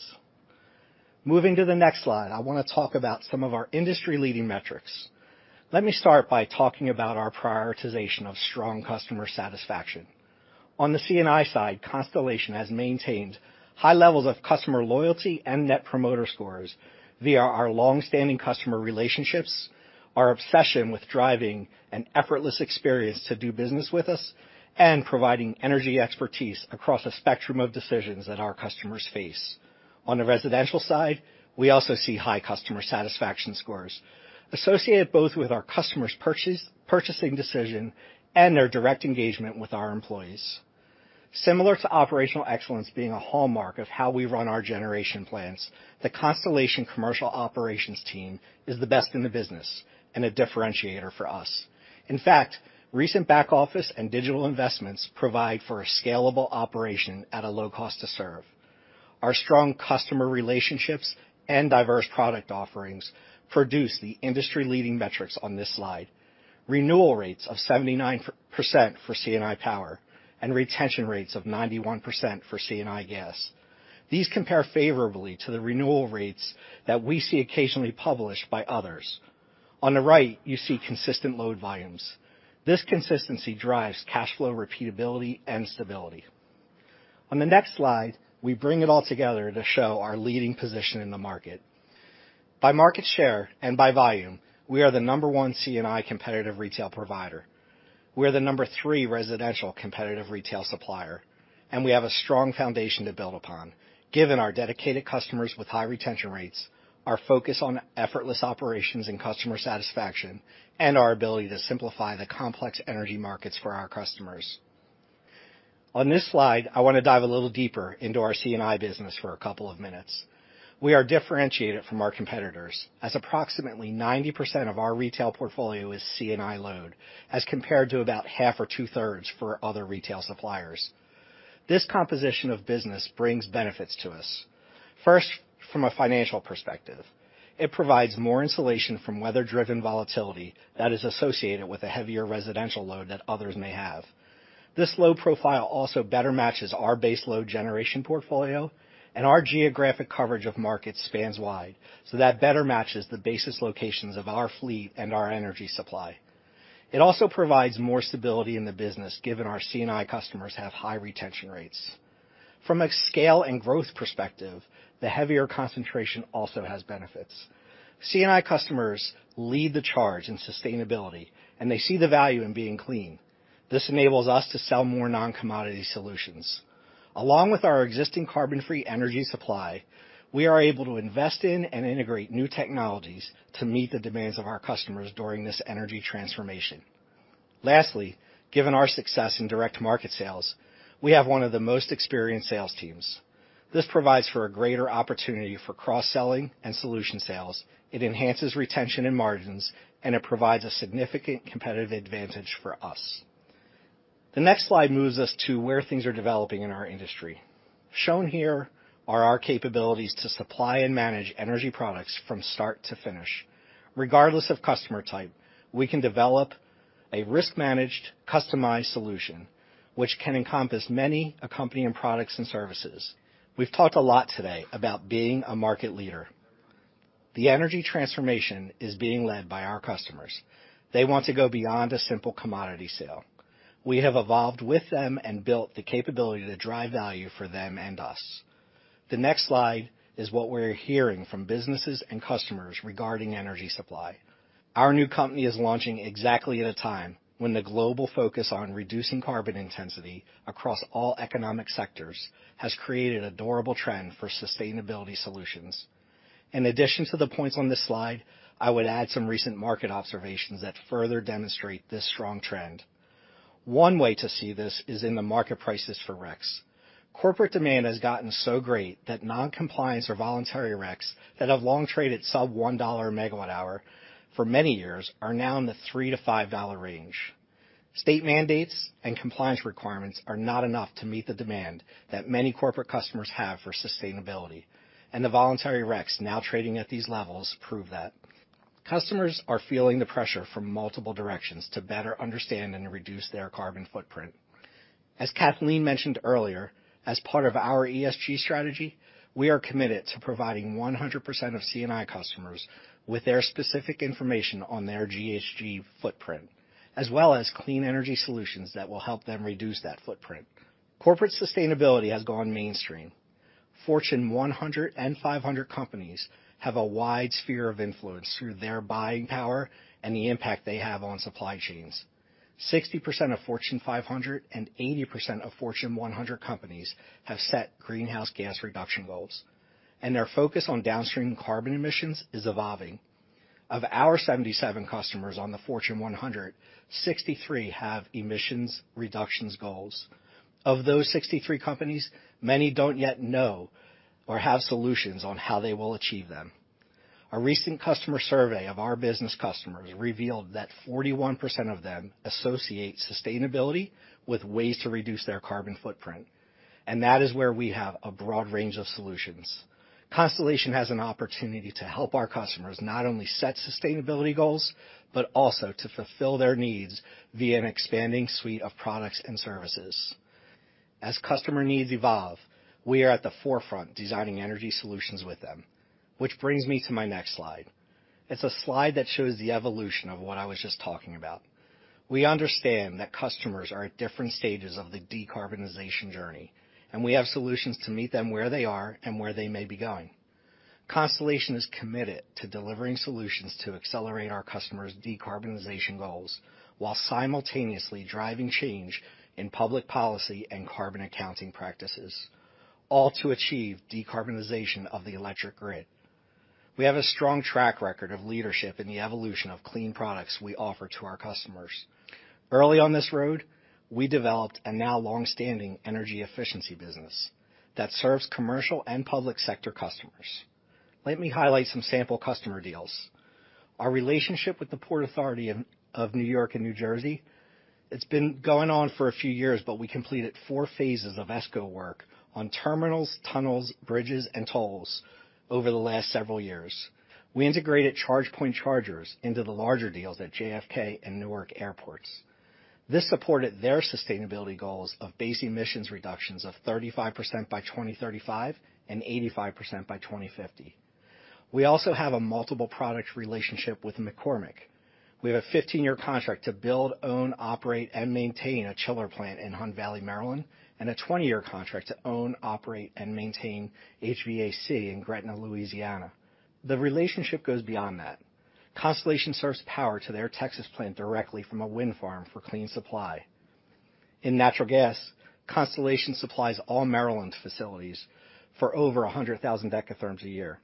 Moving to the next slide, I wanna talk about some of our industry-leading metrics. Let me start by talking about our prioritization of strong customer satisfaction. On the C&I side, Constellation has maintained high levels of customer loyalty and net promoter scores via our long-standing customer relationships, our obsession with driving an effortless experience to do business with us, and providing energy expertise across a spectrum of decisions that our customers face. On the residential side, we also see high customer satisfaction scores associated both with our customers' purchasing decision and their direct engagement with our employees. Similar to operational excellence being a hallmark of how we run our generation plants, the Constellation commercial operations team is the best in the business and a differentiator for us. In fact, recent back-office and digital investments provide for a scalable operation at a low cost to serve. Our strong customer relationships and diverse product offerings produce the industry-leading metrics on this slide. Renewal rates of 79% for C&I power and retention rates of 91% for C&I gas. These compare favorably to the renewal rates that we see occasionally published by others. On the right, you see consistent load volumes. This consistency drives cash flow repeatability and stability. On the next slide, we bring it all together to show our leading position in the market. By market share and by volume, we are the number one C&I competitive retail provider. We are the number three residential competitive retail supplier, and we have a strong foundation to build upon, given our dedicated customers with high retention rates, our focus on effortless operations and customer satisfaction, and our ability to simplify the complex energy markets for our customers. On this slide, I want to dive a little deeper into our C&I business for a couple of minutes. We are differentiated from our competitors, as approximately 90% of our retail portfolio is C&I load, as compared to about half or two-thirds for other retail suppliers. This composition of business brings benefits to us. First, from a financial perspective, it provides more insulation from weather-driven volatility that is associated with a heavier residential load that others may have. This low profile also better matches our base load generation portfolio, and our geographic coverage of markets spans wide, so that better matches the basis locations of our fleet and our energy supply. It also provides more stability in the business, given our C&I customers have high retention rates. From a scale and growth perspective, the heavier concentration also has benefits. C&I customers lead the charge in sustainability, and they see the value in being clean. This enables us to sell more non-commodity solutions. Along with our existing carbon-free energy supply, we are able to invest in and integrate new technologies to meet the demands of our customers during this energy transformation. Lastly, given our success in direct market sales, we have one of the most experienced sales teams. This provides for a greater opportunity for cross-selling and solution sales, it enhances retention and margins, and it provides a significant competitive advantage for us. The next slide moves us to where things are developing in our industry. Shown here are our capabilities to supply and manage energy products from start to finish. Regardless of customer type, we can develop a risk-managed, customized solution which can encompass many accompanying products and services. We've talked a lot today about being a market leader. The energy transformation is being led by our customers. They want to go beyond a simple commodity sale. We have evolved with them and built the capability to drive value for them and us. The next slide is what we're hearing from businesses and customers regarding energy supply. Our new company is launching exactly at a time when the global focus on reducing carbon intensity across all economic sectors has created a durable trend for sustainability solutions. In addition to the points on this slide, I would add some recent market observations that further demonstrate this strong trend. One way to see this is in the market prices for RECs. Corporate demand has gotten so great that non-compliance or voluntary RECs that have long traded sub $1/MWh for many years are now in the $3-$5 range. State mandates and compliance requirements are not enough to meet the demand that many corporate customers have for sustainability, and the voluntary RECs now trading at these levels prove that. Customers are feeling the pressure from multiple directions to better understand and reduce their carbon footprint. As Kathleen mentioned earlier, as part of our ESG strategy, we are committed to providing 100% of C&I customers with their specific information on their GHG footprint, as well as clean energy solutions that will help them reduce that footprint. Corporate sustainability has gone mainstream. Fortune 100 and 500 companies have a wide sphere of influence through their buying power and the impact they have on supply chains. 60% of Fortune 500 and 80% of Fortune 100 companies have set greenhouse gas reduction goals, and their focus on downstream carbon emissions is evolving. Of our 77 customers on the Fortune 100, 63 have emissions reductions goals. Of those 63 companies, many don't yet know or have solutions on how they will achieve them. A recent customer survey of our business customers revealed that 41% of them associate sustainability with ways to reduce their carbon footprint, and that is where we have a broad range of solutions. Constellation has an opportunity to help our customers not only set sustainability goals, but also to fulfill their needs via an expanding suite of products and services. As customer needs evolve, we are at the forefront designing energy solutions with them, which brings me to my next slide. It's a slide that shows the evolution of what I was just talking about. We understand that customers are at different stages of the decarbonization journey, and we have solutions to meet them where they are and where they may be going. Constellation is committed to delivering solutions to accelerate our customers' decarbonization goals while simultaneously driving change in public policy and carbon accounting practices, all to achieve decarbonization of the electric grid. We have a strong track record of leadership in the evolution of clean products we offer to our customers. Early on this road, we developed a now long-standing energy efficiency business that serves commercial and public sector customers. Let me highlight some sample customer deals. Our relationship with the Port Authority of New York and New Jersey, it's been going on for a few years, but we completed four phases of ESCO work on terminals, tunnels, bridges, and tolls over the last several years. We integrated ChargePoint chargers into the larger deals at JFK and Newark airports. This supported their sustainability goals of base emissions reductions of 35% by 2035 and 85% by 2050. We also have a multiple product relationship with McCormick. We have a 15-year contract to build, own, operate, and maintain a chiller plant in Hunt Valley, Maryland, and a 20-year contract to own, operate, and maintain HVAC in Gretna, Louisiana. The relationship goes beyond that. Constellation serves power to their Texas plant directly from a wind farm for clean supply. In natural gas, Constellation supplies all Maryland's facilities for over 100,000 decatherms a year.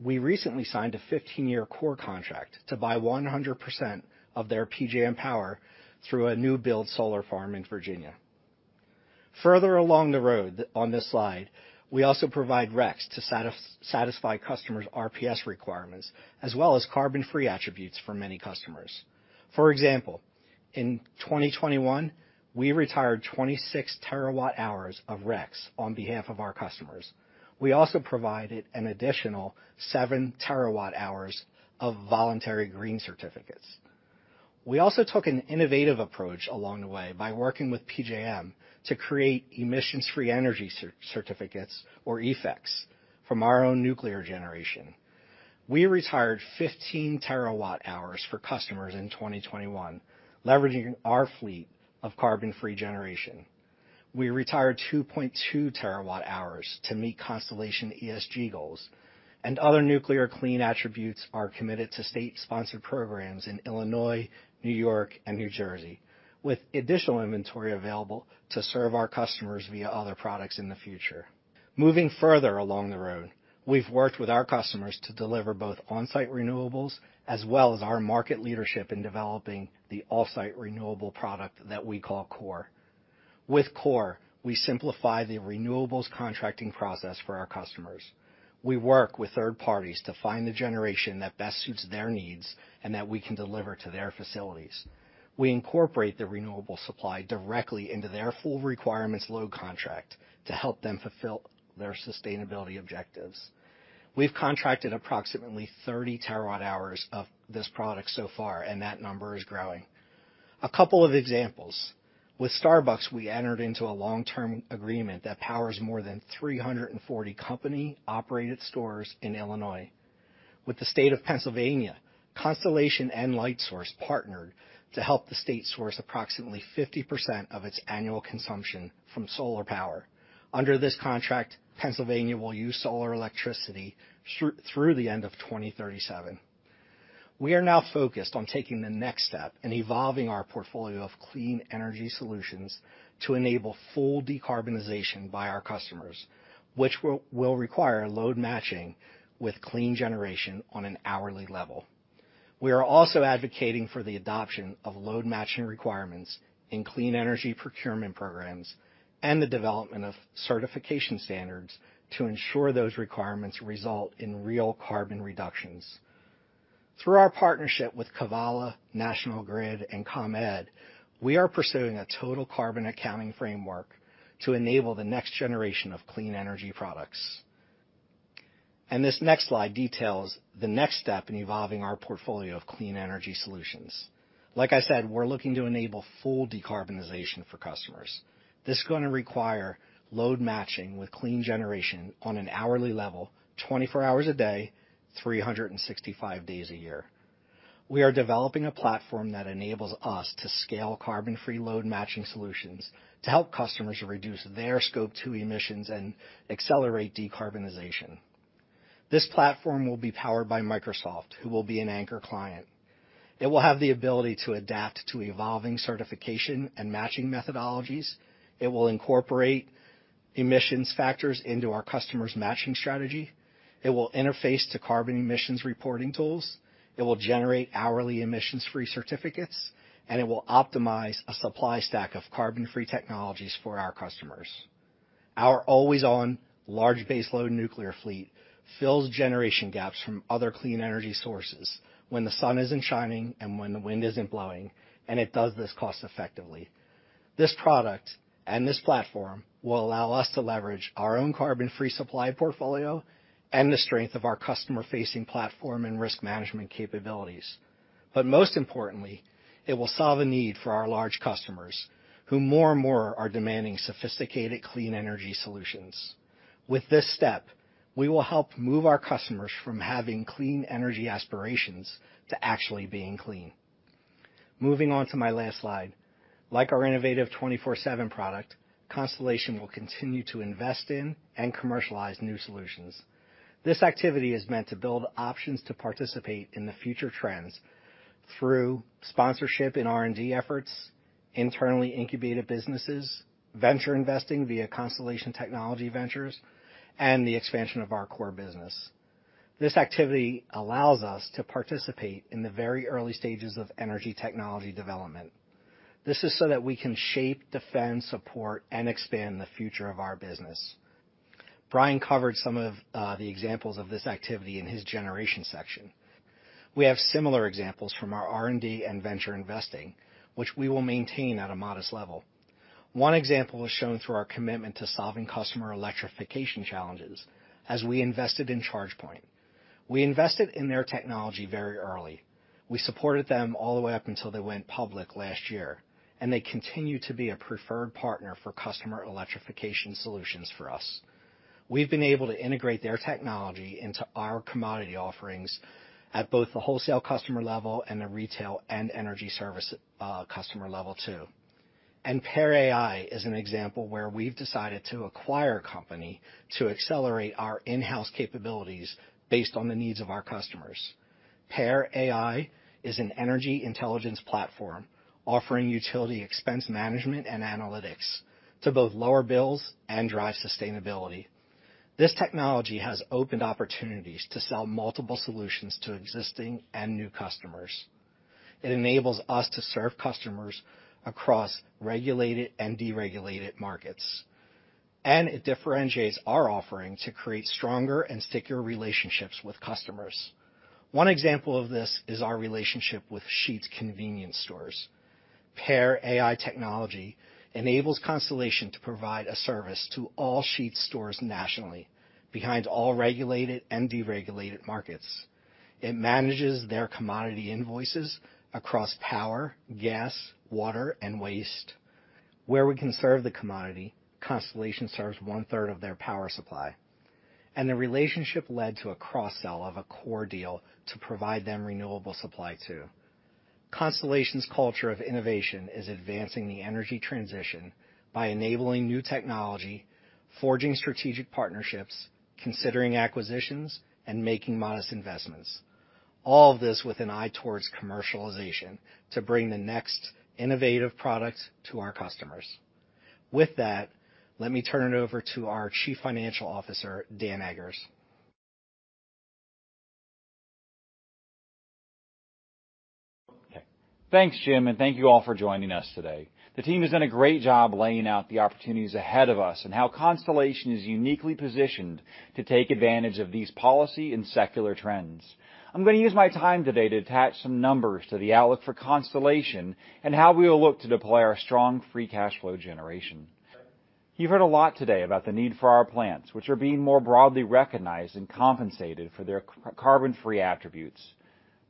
We recently signed a 15-year Core contract to buy 100% of their PJM power through a new build solar farm in Virginia. Further along the road on this slide, we also provide RECs to satisfy customers' RPS requirements, as well as carbon-free attributes for many customers. For example, in 2021, we retired 26 TWh of RECs on behalf of our customers. We also provided an additional 7 TWh of voluntary green certificates. We also took an innovative approach along the way by working with PJM to create emissions-free energy certificates or EFECs from our own nuclear generation. We retired 15 TWh for customers in 2021, leveraging our fleet of carbon-free generation. We retired 2.2 TWh to meet Constellation ESG goals and other nuclear clean attributes are committed to state-sponsored programs in Illinois, New York, and New Jersey, with additional inventory available to serve our customers via other products in the future. Moving further along the road, we've worked with our customers to deliver both on-site renewables as well as our market leadership in developing the off-site renewable product that we call Core. With Core, we simplify the renewables contracting process for our customers. We work with third parties to find the generation that best suits their needs and that we can deliver to their facilities. We incorporate the renewable supply directly into their full requirements load contract to help them fulfill their sustainability objectives. We've contracted approximately 30 TWh of this product so far, and that number is growing. A couple of examples. With Starbucks, we entered into a long-term agreement that powers more than 340 company-operated stores in Illinois. With the State of Pennsylvania, Constellation and Lightsource bp partnered to help the state source approximately 50% of its annual consumption from solar power. Under this contract, Pennsylvania will use solar electricity through the end of 2037. We are now focused on taking the next step in evolving our portfolio of clean energy solutions to enable full decarbonization by our customers, which will require load matching with clean generation on an hourly level. We are also advocating for the adoption of load matching requirements in clean energy procurement programs and the development of certification standards to ensure those requirements result in real carbon reductions. Through our partnership with Kevala, National Grid, and ComEd, we are pursuing a total carbon accounting framework to enable the next generation of clean energy products. This next slide details the next step in evolving our portfolio of clean energy solutions. Like I said, we're looking to enable full decarbonization for customers. This is gonna require load matching with clean generation on an hourly level, 24 hours a day, 365 days a year. We are developing a platform that enables us to scale carbon-free load matching solutions to help customers reduce their Scope 2 emissions and accelerate decarbonization. This platform will be powered by Microsoft, who will be an anchor client. It will have the ability to adapt to evolving certification and matching methodologies. It will incorporate emissions factors into our customers' matching strategy. It will interface to carbon emissions reporting tools. It will generate hourly emissions-free certificates, and it will optimize a supply stack of carbon-free technologies for our customers. Our always-on large baseload nuclear fleet fills generation gaps from other clean energy sources when the sun isn't shining and when the wind isn't blowing, and it does this cost-effectively. This product and this platform will allow us to leverage our own carbon-free supply portfolio and the strength of our customer-facing platform and risk management capabilities. Most importantly, it will solve a need for our large customers who more and more are demanding sophisticated clean energy solutions. With this step, we will help move our customers from having clean energy aspirations to actually being clean. Moving on to my last slide. Like our innovative 24/7 product, Constellation will continue to invest in and commercialize new solutions. This activity is meant to build options to participate in the future trends through sponsorship in R&D efforts, internally incubated businesses, venture investing via Constellation Technology Ventures, and the expansion of our Core business. This activity allows us to participate in the very early stages of energy technology development. This is so that we can shape, defend, support, and expand the future of our business. Bryan covered some of the examples of this activity in his generation section. We have similar examples from our R&D and venture investing, which we will maintain at a modest level. One example is shown through our commitment to solving customer electrification challenges as we invested in ChargePoint. We invested in their technology very early. We supported them all the way up until they went public last year, and they continue to be a preferred partner for customer electrification solutions for us. We've been able to integrate their technology into our commodity offerings at both the wholesale customer level and the retail and energy service customer level too. Pear.ai is an example where we've decided to acquire a company to accelerate our in-house capabilities based on the needs of our customers. Pear.ai is an energy intelligence platform offering utility expense management and analytics to both lower bills and drive sustainability. This technology has opened opportunities to sell multiple solutions to existing and new customers. It enables us to serve customers across regulated and deregulated markets. It differentiates our offering to create stronger and stickier relationships with customers. One example of this is our relationship with Sheetz convenience stores. Pear.ai technology enables Constellation to provide a service to all Sheetz stores nationally behind all regulated and deregulated markets. It manages their commodity invoices across power, gas, water, and waste. Where we can serve the commodity, Constellation serves 1/3 of their power supply, and the relationship led to a cross-sell of a Core deal to provide them renewable supply, too. Constellation's culture of innovation is advancing the energy transition by enabling new technology, forging strategic partnerships, considering acquisitions, and making modest investments. All of this with an eye towards commercialization to bring the next innovative products to our customers. With that, let me turn it over to our Chief Financial Officer, Dan Eggers. Okay. Thanks, Jim, and thank you all for joining us today. The team has done a great job laying out the opportunities ahead of us and how Constellation is uniquely positioned to take advantage of these policy and secular trends. I'm gonna use my time today to attach some numbers to the outlook for Constellation and how we will look to deploy our strong free cash flow generation. You've heard a lot today about the need for our plants, which are being more broadly recognized and compensated for their carbon-free attributes.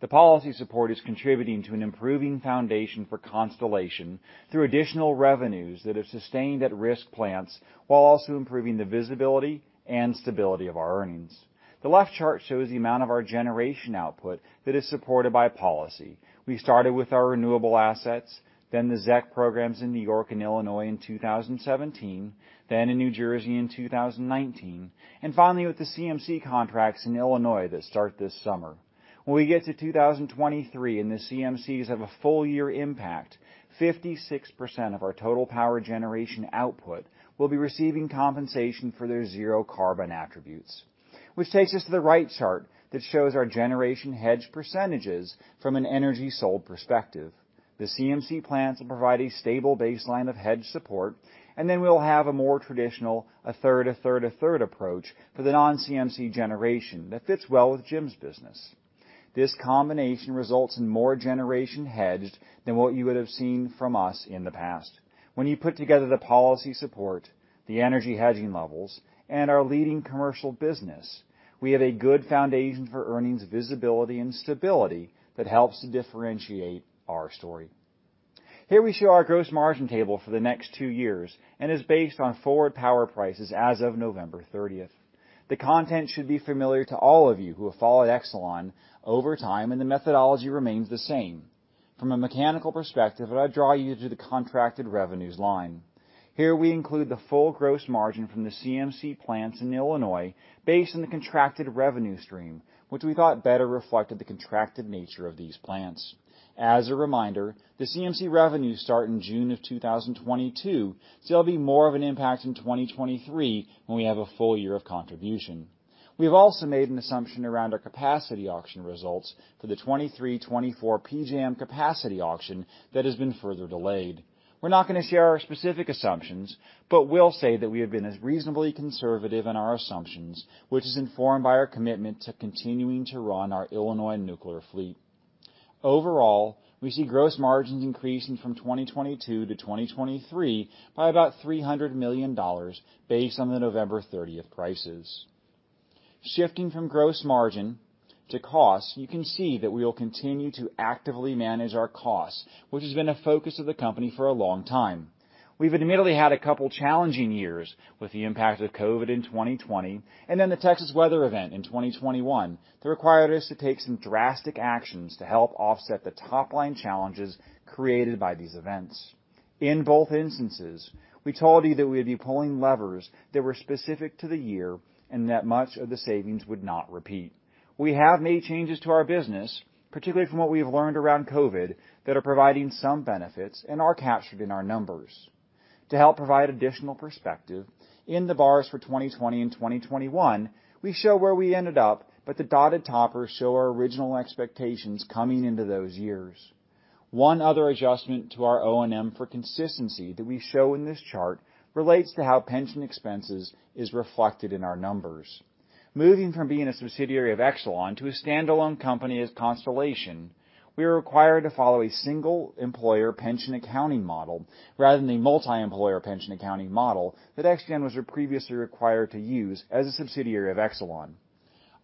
The policy support is contributing to an improving foundation for Constellation through additional revenues that have sustained at-risk plants while also improving the visibility and stability of our earnings. The left chart shows the amount of our generation output that is supported by policy. We started with our renewable assets, then the ZEC programs in New York and Illinois in 2017, then in New Jersey in 2019, and finally, with the CMC contracts in Illinois that start this summer. When we get to 2023, and the CMCs have a full year impact, 56% of our total power generation output will be receiving compensation for their zero carbon attributes, which takes us to the right chart that shows our generation hedge percentages from an energy sold perspective. The CMC plants will provide a stable baseline of hedge support, and then we'll have a more traditional a third, a third, a third approach for the non-CMC generation that fits well with Jim's business. This combination results in more generation hedged than what you would have seen from us in the past. When you put together the policy support, the energy hedging levels, and our leading commercial business, we have a good foundation for earnings visibility and stability that helps to differentiate our story. Here we show our gross margin table for the next two years, which is based on forward power prices as of November 30th. The content should be familiar to all of you who have followed Exelon over time, and the methodology remains the same. From a mechanical perspective, I draw you to the contracted revenues line. Here we include the full gross margin from the CMCs plants in Illinois based on the contracted revenue stream, which we thought better reflected the contracted nature of these plants. As a reminder, the CMCs revenues start in June of 2022, so it'll be more of an impact in 2023, when we have a full year of contribution. We have also made an assumption around our capacity auction results for the 2023-2024 PJM capacity auction that has been further delayed. We're not gonna share our specific assumptions, but we'll say that we have been as reasonably conservative in our assumptions, which is informed by our commitment to continuing to run our Illinois nuclear fleet. Overall, we see gross margins increasing from 2022 to 2023 by about $300 million based on the November 30th prices. Shifting from gross margin to cost, you can see that we will continue to actively manage our costs, which has been a focus of the company for a long time. We've admittedly had a couple challenging years with the impact of COVID in 2020 and then the Texas weather event in 2021 that required us to take some drastic actions to help offset the top-line challenges created by these events. In both instances, we told you that we'd be pulling levers that were specific to the year and that much of the savings would not repeat. We have made changes to our business, particularly from what we have learned around COVID, that are providing some benefits and are captured in our numbers. To help provide additional perspective, in the bars for 2020 and 2021, we show where we ended up, but the dotted tops show our original expectations coming into those years. One other adjustment to our O&M for consistency that we show in this chart relates to how pension expenses is reflected in our numbers. Moving from being a subsidiary of Exelon to a standalone company as Constellation, we are required to follow a single-employer pension accounting model rather than the multi-employer pension accounting model that ExGen was previously required to use as a subsidiary of Exelon.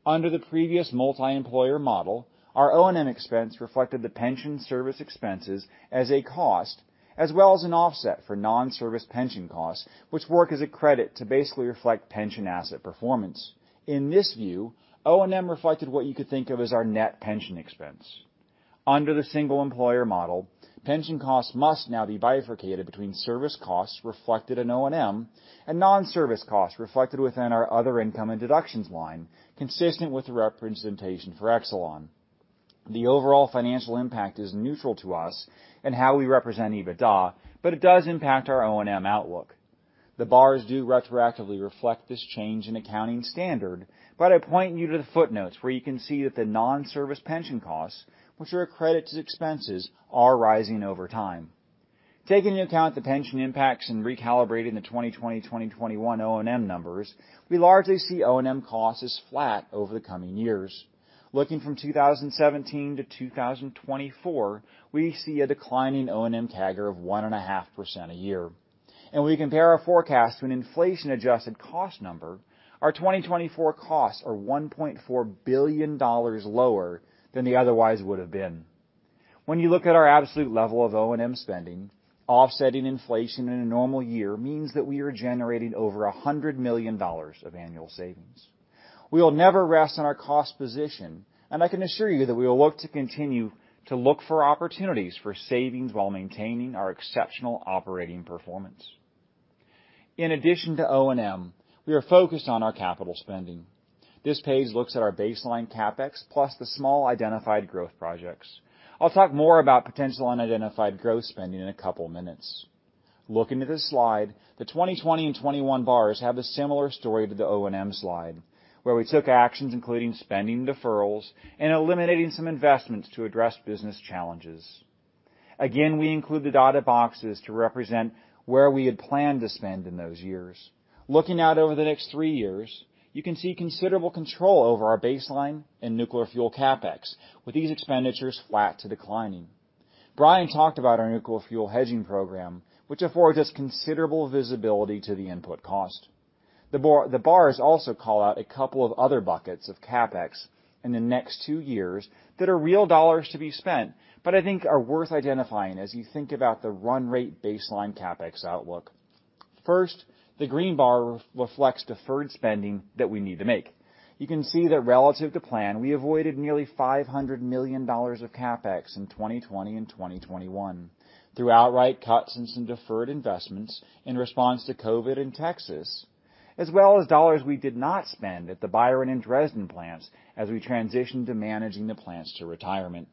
Under the previous multi-employer model, our O&M expense reflected the pension service expenses as a cost as well as an offset for non-service pension costs, which work as a credit to basically reflect pension asset performance. In this view, O&M reflected what you could think of as our net pension expense. Under the single-employer model, pension costs must now be bifurcated between service costs reflected in O&M and non-service costs reflected within our other income and deductions line, consistent with the representation for Exelon. The overall financial impact is neutral to us and how we represent EBITDA, but it does impact our O&M outlook. The bars do retroactively reflect this change in accounting standard, but I point you to the footnotes where you can see that the non-service pension costs, which are a credit to expenses, are rising over time. Taking into account the pension impacts in recalibrating the 2020, 2021 O&M numbers, we largely see O&M costs as flat over the coming years. Looking from 2017 to 2024, we see a decline in O&M CAGR of 1.5% a year. When we compare our forecast to an inflation-adjusted cost number, our 2024 costs are $1.4 billion lower than they otherwise would have been. When you look at our absolute level of O&M spending, offsetting inflation in a normal year means that we are generating over $100 million of annual savings. We will never rest on our cost position, and I can assure you that we will look to continue to look for opportunities for savings while maintaining our exceptional operating performance. In addition to O&M, we are focused on our capital spending. This page looks at our baseline CapEx plus the small identified growth projects. I'll talk more about potential unidentified growth spending in a couple minutes. Looking to this slide, the 2020 and 2021 bars have a similar story to the O&M slide, where we took actions including spending deferrals and eliminating some investments to address business challenges. Again, we include the dotted boxes to represent where we had planned to spend in those years. Looking out over the next three years, you can see considerable control over our baseline and nuclear fuel CapEx, with these expenditures flat to declining. Bryan talked about our nuclear fuel hedging program, which affords us considerable visibility to the input cost. The bar, the bars also call out a couple of other buckets of CapEx in the next two years that are real dollars to be spent, but I think are worth identifying as you think about the run rate baseline CapEx outlook. First, the green bar reflects deferred spending that we need to make. You can see that relative to plan, we avoided nearly $500 million of CapEx in 2020 and 2021 through outright cuts and some deferred investments in response to COVID and Texas, as well as dollars we did not spend at the Byron and Dresden plants as we transitioned to managing the plants to retirement.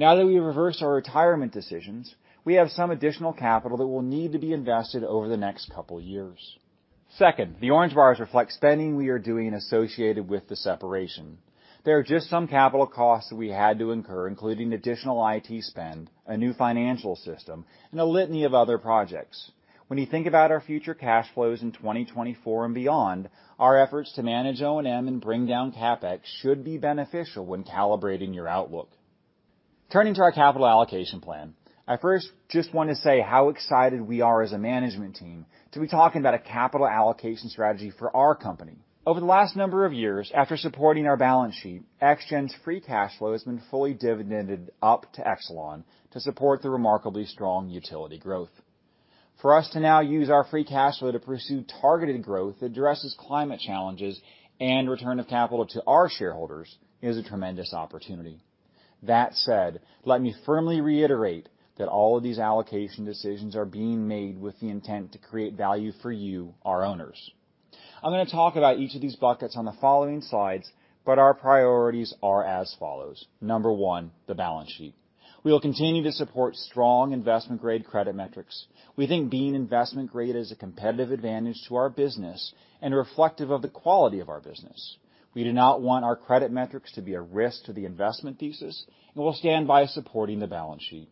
Now that we have reversed our retirement decisions, we have some additional capital that will need to be invested over the next couple years. Second, the orange bars reflect spending we are doing associated with the separation. There are just some capital costs that we had to incur, including additional IT spend, a new financial system, and a litany of other projects. When you think about our future cash flows in 2024 and beyond, our efforts to manage O&M and bring down CapEx should be beneficial when calibrating your outlook. Turning to our capital allocation plan, I first just want to say how excited we are as a management team to be talking about a capital allocation strategy for our company. Over the last number of years, after supporting our balance sheet, ExGen's free cash flow has been fully dividended up to Exelon to support the remarkably strong utility growth. For us to now use our free cash flow to pursue targeted growth that addresses climate challenges and return of capital to our shareholders is a tremendous opportunity. That said, let me firmly reiterate that all of these allocation decisions are being made with the intent to create value for you, our owners. I'm going to talk about each of these buckets on the following slides, but our priorities are as follows. Number one, the balance sheet. We will continue to support strong investment-grade credit metrics. We think being investment-grade is a competitive advantage to our business and reflective of the quality of our business. We do not want our credit metrics to be a risk to the investment thesis, and we'll stand by supporting the balance sheet.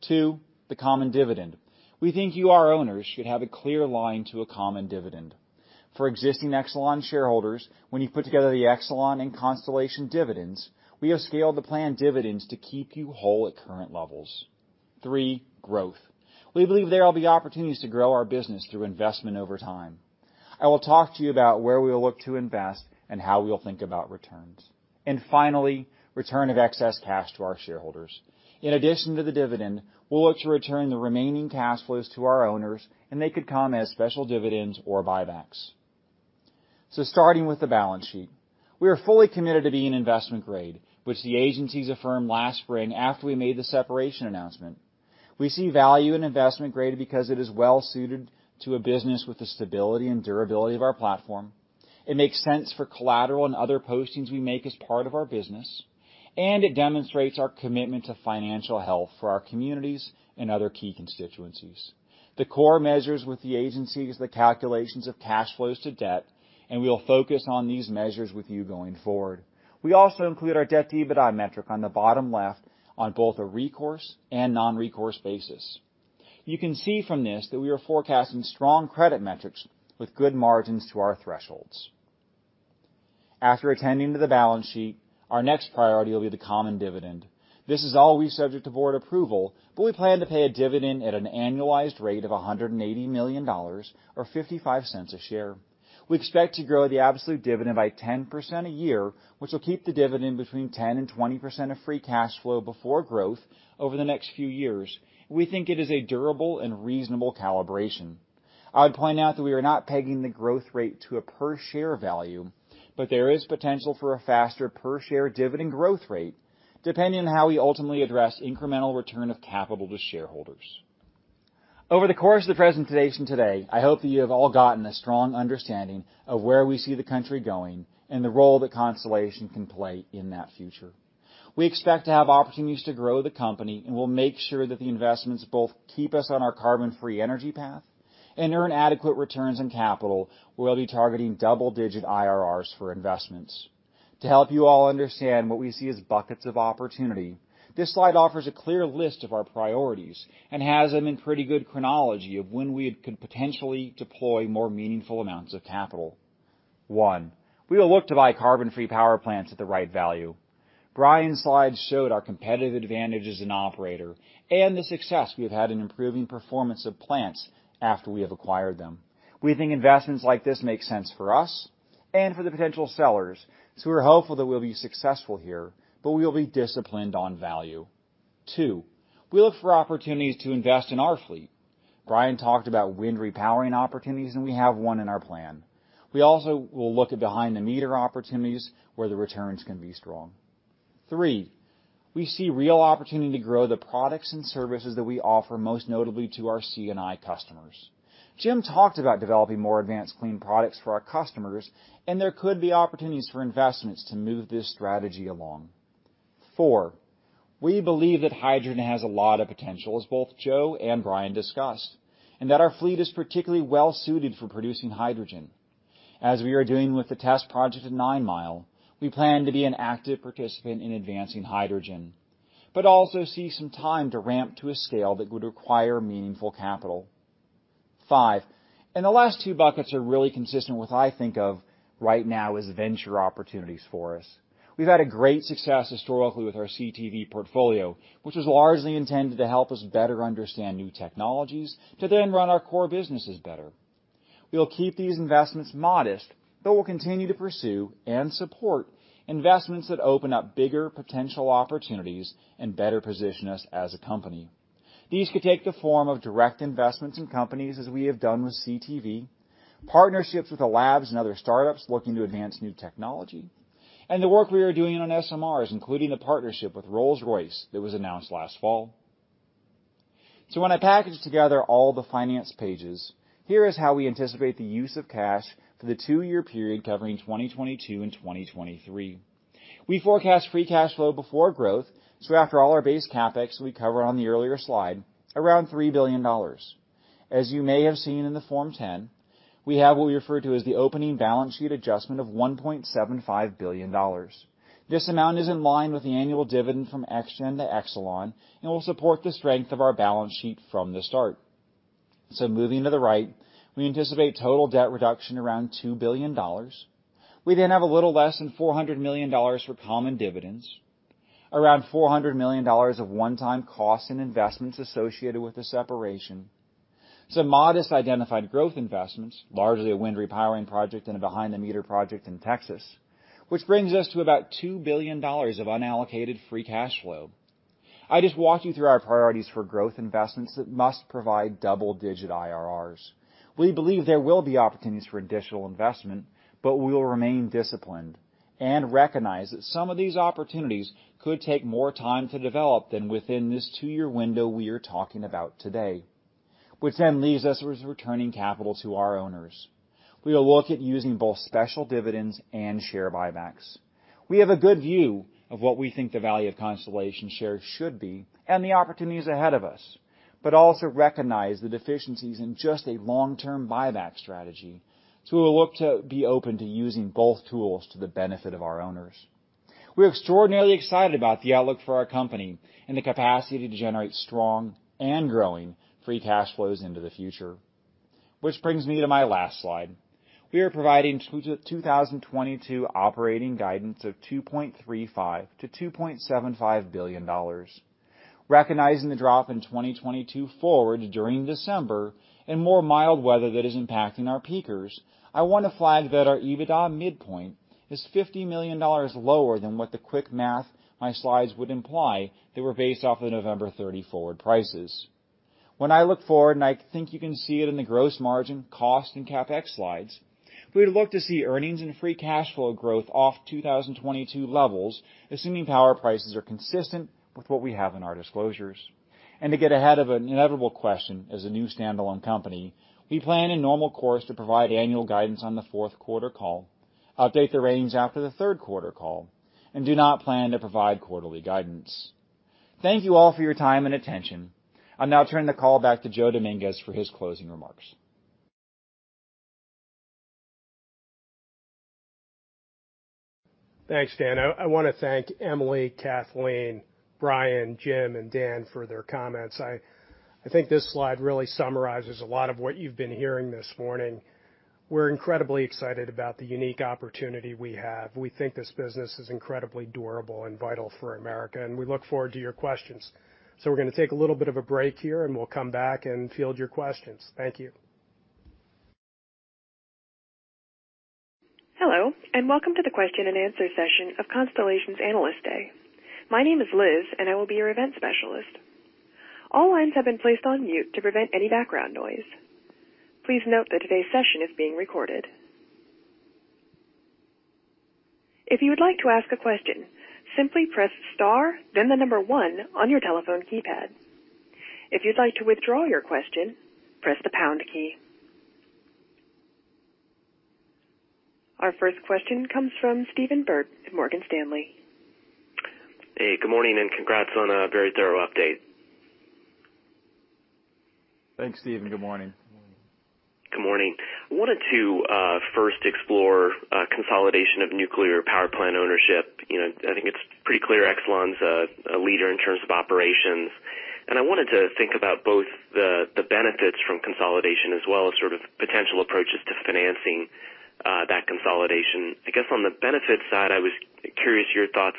Two, the common dividend. We think you, our owners, should have a clear line to a common dividend. For existing Exelon shareholders, when you put together the Exelon and Constellation dividends, we have scaled the planned dividends to keep you whole at current levels. Three, growth. We believe there will be opportunities to grow our business through investment over time. I will talk to you about where we will look to invest and how we will think about returns. Finally, return of excess cash to our shareholders. In addition to the dividend, we'll look to return the remaining cash flows to our owners, and they could come as special dividends or buybacks. Starting with the balance sheet. We are fully committed to being investment-grade, which the agencies affirmed last spring after we made the separation announcement. We see value in investment-grade because it is well-suited to a business with the stability and durability of our platform. It makes sense for collateral and other postings we make as part of our business, and it demonstrates our commitment to financial health for our communities and other key constituencies. The core measures with the agencies, the calculations of cash flows to debt, and we will focus on these measures with you going forward. We also include our debt-to-EBITDA metric on the bottom left on both a recourse and non-recourse basis. You can see from this that we are forecasting strong credit metrics with good margins to our thresholds. After attending to the balance sheet, our next priority will be the common dividend. This is always subject to board approval, but we plan to pay a dividend at an annualized rate of $180 million or $0.55 a share. We expect to grow the absolute dividend by 10% a year, which will keep the dividend between 10% and 20% of free cash flow before growth over the next few years. We think it is a durable and reasonable calibration. I would point out that we are not pegging the growth rate to a per-share value, but there is potential for a faster per-share dividend growth rate, depending on how we ultimately address incremental return of capital to shareholders. Over the course of the presentation today, I hope that you have all gotten a strong understanding of where we see the country going and the role that Constellation can play in that future. We expect to have opportunities to grow the company, and we'll make sure that the investments both keep us on our carbon-free energy path and earn adequate returns on capital. We'll be targeting double-digit IRRs for investments. To help you all understand what we see as buckets of opportunity, this slide offers a clear list of our priorities and has them in pretty good chronology of when we could potentially deploy more meaningful amounts of capital. One, we will look to buy carbon-free power plants at the right value. Bryan's slides showed our competitive advantage as an operator and the success we have had in improving performance of plants after we have acquired them. We think investments like this make sense for us and for the potential sellers, so we're hopeful that we'll be successful here, but we will be disciplined on value. Two, we look for opportunities to invest in our fleet. Bryan talked about wind repowering opportunities, and we have one in our plan. We also will look at behind-the-meter opportunities where the returns can be strong. Three, we see real opportunity to grow the products and services that we offer, most notably to our C&I customers. Jim talked about developing more advanced clean products for our customers, and there could be opportunities for investments to move this strategy along. Four, we believe that hydrogen has a lot of potential, as both Joe and Bryan discussed, and that our fleet is particularly well suited for producing hydrogen. As we are doing with the test project at Nine Mile, we plan to be an active participant in advancing hydrogen, but also see some time to ramp to a scale that would require meaningful capital. Five, the last two buckets are really consistent with what I think of right now as venture opportunities for us. We've had a great success historically with our CTV portfolio, which was largely intended to help us better understand new technologies to then run our core businesses better. We'll keep these investments modest, but we'll continue to pursue and support investments that open up bigger potential opportunities and better position us as a company. These could take the form of direct investments in companies, as we have done with CTV, partnerships with the labs and other startups looking to advance new technology, and the work we are doing on SMRs, including a partnership with Rolls-Royce that was announced last fall. When I package together all the finance pages, here is how we anticipate the use of cash for the two-year period covering 2022 and 2023. We forecast free cash flow before growth, so after all our base CapEx we cover on the earlier slide, around $3 billion. As you may have seen in the Form 10, we have what we refer to as the opening balance sheet adjustment of $1.75 billion. This amount is in line with the annual dividend from ExGen to Exelon and will support the strength of our balance sheet from the start. Moving to the right, we anticipate total debt reduction around $2 billion. We then have a little less than $400 million for common dividends, around $400 million of one-time costs and investments associated with the separation. Some modest identified growth investments, largely a wind repowering project and a behind-the-meter project in Texas, which brings us to about $2 billion of unallocated free cash flow. I just walked you through our priorities for growth investments that must provide double-digit IRRs. We believe there will be opportunities for additional investment, but we will remain disciplined and recognize that some of these opportunities could take more time to develop than within this two-year window we are talking about today, which then leaves us with returning capital to our owners. We will look at using both special dividends and share buybacks. We have a good view of what we think the value of Constellation shares should be and the opportunities ahead of us, but also recognize the deficiencies in just a long-term buyback strategy, so we'll look to be open to using both tools to the benefit of our owners. We're extraordinarily excited about the outlook for our company and the capacity to generate strong and growing free cash flows into the future. Which brings me to my last slide. We are providing 2022 operating guidance of $2.35 billion-$2.75 billion. Recognizing the drop in 2022 forward during December and more mild weather that is impacting our peakers, I want to flag that our EBITDA midpoint is $50 million lower than what the quick math my slides would imply that were based off the November 30th forward prices. When I look forward, and I think you can see it in the gross margin, cost, and CapEx slides, we'd look to see earnings and free cash flow growth off 2022 levels, assuming power prices are consistent with what we have in our disclosures. To get ahead of an inevitable question, as a new standalone company, we plan in normal course to provide annual guidance on the fourth quarter call, update the range after the third quarter call, and do not plan to provide quarterly guidance. Thank you all for your time and attention. I'll now turn the call back to Joe Dominguez for his closing remarks. Thanks, Dan. I wanna thank Emily, Kathleen, Bryan, Jim, and Dan for their comments. I think this slide really summarizes a lot of what you've been hearing this morning. We're incredibly excited about the unique opportunity we have. We think this business is incredibly durable and vital for America, and we look forward to your questions. We're gonna take a little bit of a break here, and we'll come back and field your questions. Thank you. Hello, and welcome to the question-and-answer session of Constellation's Analyst Day. My name is Liz, and I will be your event specialist. All lines have been placed on mute to prevent any background noise. Please note that today's session is being recorded. If you would like to ask a question, simply press star then the number one on your telephone keypad. If you'd like to withdraw your question, press the pound key. Our first question comes from Stephen Byrd at Morgan Stanley. Hey, good morning, and congrats on a very thorough update. Thanks, Stephen. Good morning. Good morning. I wanted to first explore consolidation of nuclear power plant ownership. You know, I think it's pretty clear Exelon's a leader in terms of operations. I wanted to think about both the benefits from consolidation as well as sort of potential approaches to financing that consolidation. I guess on the benefits side, I was curious your thoughts.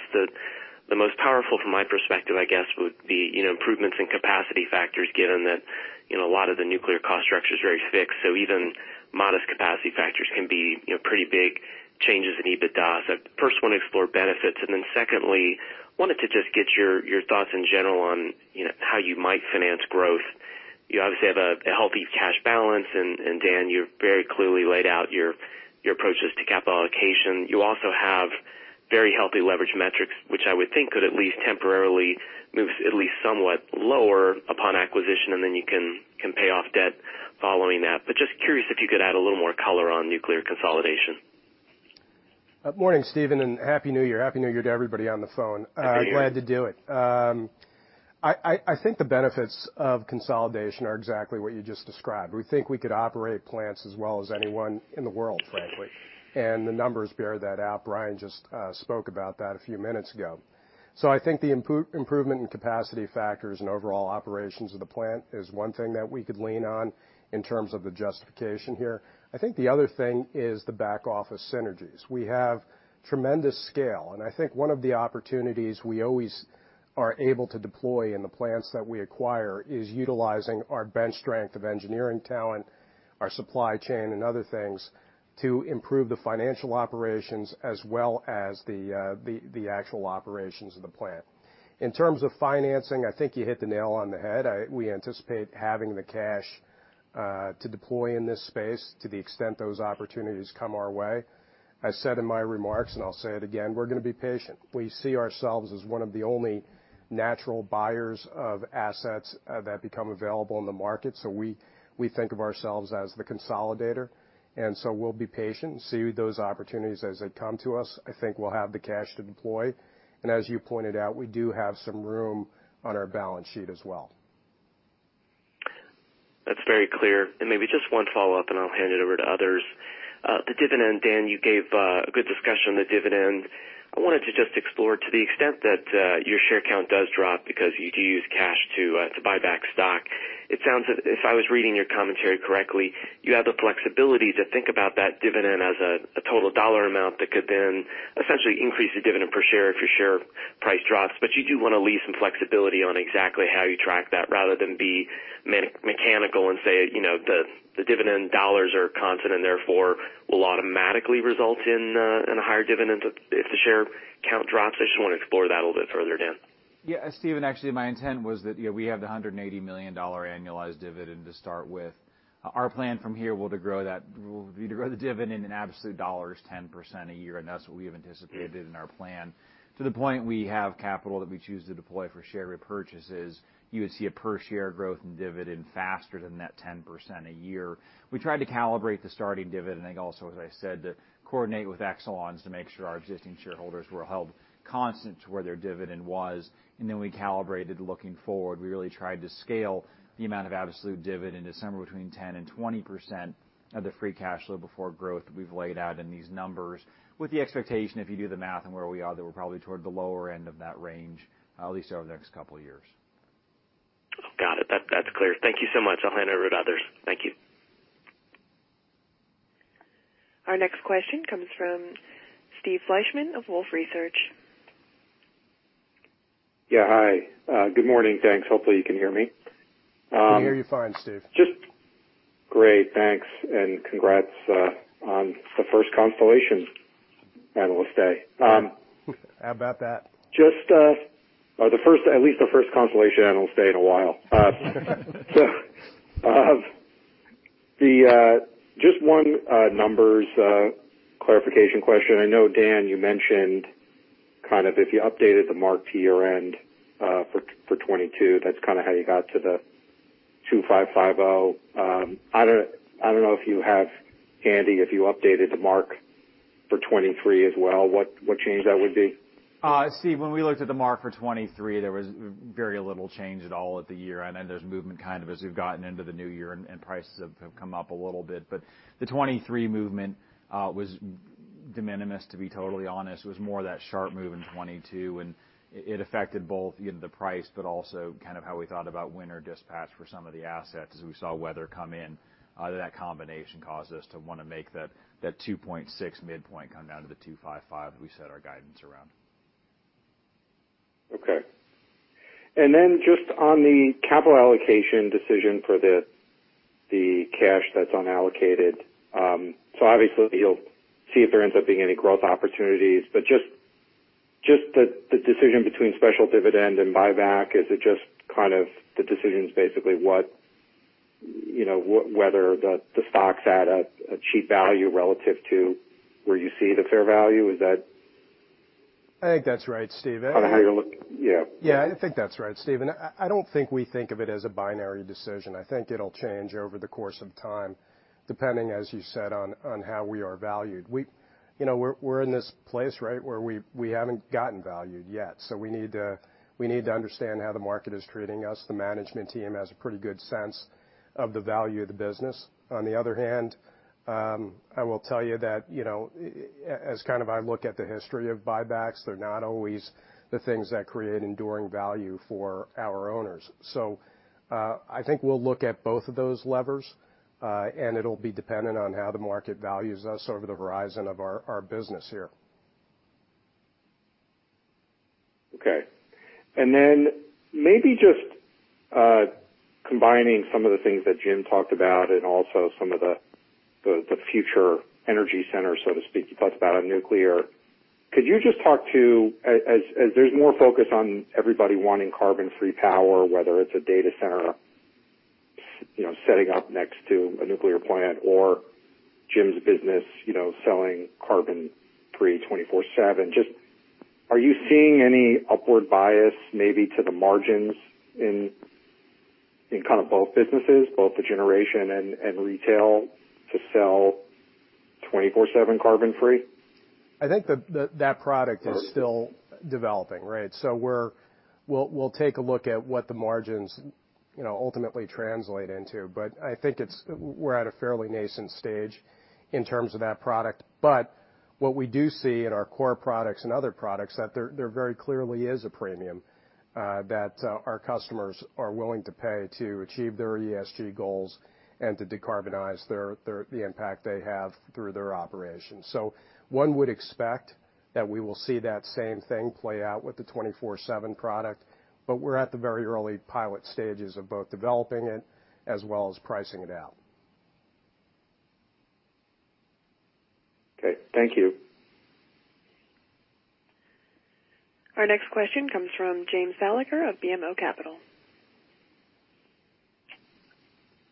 The most powerful from my perspective, I guess, would be, you know, improvements in capacity factors, given that, you know, a lot of the nuclear cost structure is very fixed, so even modest capacity factors can be, you know, pretty big changes in EBITDA. First wanna explore benefits. Then secondly, wanted to just get your thoughts in general on, you know, how you might finance growth. You obviously have a healthy cash balance. Dan, you've very clearly laid out your approaches to capital allocation. You also have very healthy leverage metrics, which I would think could at least temporarily move at least somewhat lower upon acquisition, and then you can pay off debt following that. Just curious if you could add a little more color on nuclear consolidation. Morning, Stephen, and Happy New Year. Happy New Year to everybody on the phone. Happy New Year. Glad to do it. I think the benefits of consolidation are exactly what you just described. We think we could operate plants as well as anyone in the world, frankly, and the numbers bear that out. Bryan just spoke about that a few minutes ago. I think the improvement in capacity factors and overall operations of the plant is one thing that we could lean on in terms of the justification here. I think the other thing is the back office synergies. We have tremendous scale, and I think one of the opportunities we always are able to deploy in the plants that we acquire is utilizing our bench strength of engineering talent, our supply chain, and other things to improve the financial operations as well as the actual operations of the plant. In terms of financing, I think you hit the nail on the head. We anticipate having the cash to deploy in this space to the extent those opportunities come our way. I said in my remarks, and I'll say it again, we're gonna be patient. We see ourselves as one of the only natural buyers of assets that become available in the market, so we think of ourselves as the consolidator. We'll be patient and see those opportunities as they come to us. I think we'll have the cash to deploy. As you pointed out, we do have some room on our balance sheet as well. That's very clear. Maybe just one follow-up, and I'll hand it over to others. The dividend, Dan, you gave a good discussion on the dividend. I wanted to just explore to the extent that your share count does drop because you do use cash to buy back stock. It sounds as if I was reading your commentary correctly, you have the flexibility to think about that dividend as a total dollar amount that could then essentially increase the dividend per share if your share price drops. But you do wanna leave some flexibility on exactly how you track that rather than be mechanical and say, you know, the dividend dollars are constant and therefore will automatically result in a higher dividend if the share count drops. I just wanna explore that a little bit further, Dan. Yeah. Stephen, actually, my intent was that, you know, we have the $180 million annualized dividend to start with. Our plan from here will be to grow the dividend in absolute dollars 10% a year, and that's what we have anticipated in our plan. To the point we have capital that we choose to deploy for share repurchases, you would see a per share growth in dividend faster than that 10% a year. We tried to calibrate the starting dividend, I think also, as I said, to coordinate with Exelon's to make sure our existing shareholders were held constant to where their dividend was, and then we calibrated looking forward. We really tried to scale the amount of absolute dividend to somewhere between 10% and 20% of the free cash flow before growth that we've laid out in these numbers, with the expectation, if you do the math on where we are, that we're probably toward the lower end of that range, at least over the next couple years. Got it. That's clear. Thank you so much. I'll hand it over to others. Thank you. Our next question comes from Steve Fleishman of Wolfe Research. Yeah. Hi. Good morning. Thanks. Hopefully, you can hear me. We hear you fine, Steve. Great. Thanks, and congrats on the first Constellation Analyst Day. How about that? At least the first Constellation Analyst Day in a while. Just one number clarification question. I know, Dan, you mentioned kind of if you updated the mark-to-market year-end for 2022, that's kinda how you got to the $2,550. I don't know if you have it handy, if you updated the mark-to-market for 2023 as well, what that change would be. Steve, when we looked at the mark for 2023, there was very little change at all at the year. Then there's movement kind of as we've gotten into the new year and prices have come up a little bit. The 2023 movement was de minimis, to be totally honest. It was more that sharp move in 2022, and it affected both, you know, the price, but also kind of how we thought about winter dispatch for some of the assets as we saw weather come in. That combination caused us to wanna make that 2.6 midpoint come down to the $2.55 we set our guidance around. Okay. Just on the capital allocation decision for the cash that's unallocated. Obviously, you'll see if there ends up being any growth opportunities. Just the decision between special dividend and buyback, is it just kind of the decision's basically what, you know, whether the stock's at a cheap value relative to where you see the fair value? Is that? I think that's right, Steve. Yeah. Yeah, I think that's right, Steve. I don't think we think of it as a binary decision. I think it'll change over the course of time, depending, as you said, on how we are valued. We, you know, we're in this place, right, where we haven't gotten valued yet, so we need to understand how the market is treating us. The management team has a pretty good sense of the value of the business. On the other hand, I will tell you that, you know, as kind of I look at the history of buybacks, they're not always the things that create enduring value for our owners. I think we'll look at both of those levers, and it'll be dependent on how the market values us over the horizon of our business here. Okay. Then maybe just combining some of the things that Jim talked about and also some of the future energy centers, so to speak. You talked about nuclear. Could you just talk to us as there's more focus on everybody wanting carbon-free power, whether it's a data center, you know, setting up next to a nuclear plant or Jim's business, you know, selling carbon-free 24/7. Just are you seeing any upward bias maybe to the margins in kind of both businesses, both the generation and retail to sell 24/7 carbon-free? I think that product is still developing, right? We'll take a look at what the margins, you know, ultimately translate into. I think we're at a fairly nascent stage in terms of that product. What we do see in our Core products and other products, that there very clearly is a premium that our customers are willing to pay to achieve their ESG goals and to decarbonize the impact they have through their operations. One would expect that we will see that same thing play out with the 24/7 product, but we're at the very early pilot stages of both developing it as well as pricing it out. Okay, thank you. Our next question comes from James Thalacker of BMO Capital.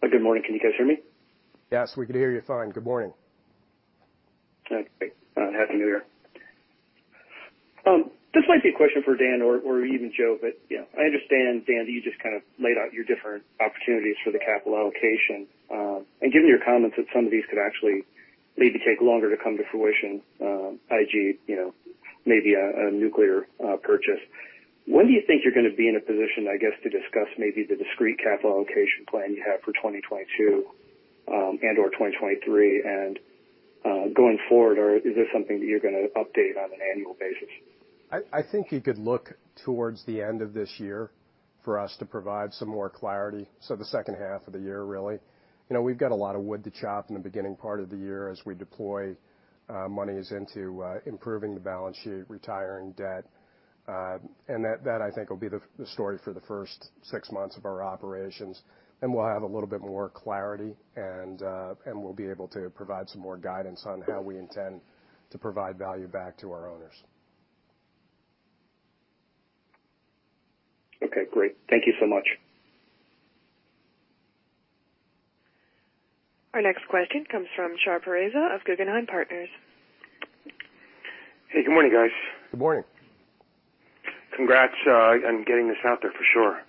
Good morning. Can you guys hear me? Yes, we can hear you fine. Good morning. Okay. Happy New Year. This might be a question for Dan or even Joe, but you know, I understand, Dan, that you just kind of laid out your different opportunities for the capital allocation. Given your comments that some of these could actually maybe take longer to come to fruition, e.g., you know, maybe a nuclear purchase. When do you think you're gonna be in a position, I guess, to discuss maybe the discrete capital allocation plan you have for 2022 and/or 2023? Going forward, or is this something that you're gonna update on an annual basis? I think you could look towards the end of this year for us to provide some more clarity, so the second half of the year really. You know, we've got a lot of wood to chop in the beginning part of the year as we deploy monies into improving the balance sheet, retiring debt. That I think will be the story for the first six months of our operations. We'll have a little bit more clarity and we'll be able to provide some more guidance on how we intend to provide value back to our owners. Okay, great. Thank you so much. Our next question comes from Shar Pourreza of Guggenheim Partners. Hey, good morning, guys. Good morning. Congrats on getting this out there for sure.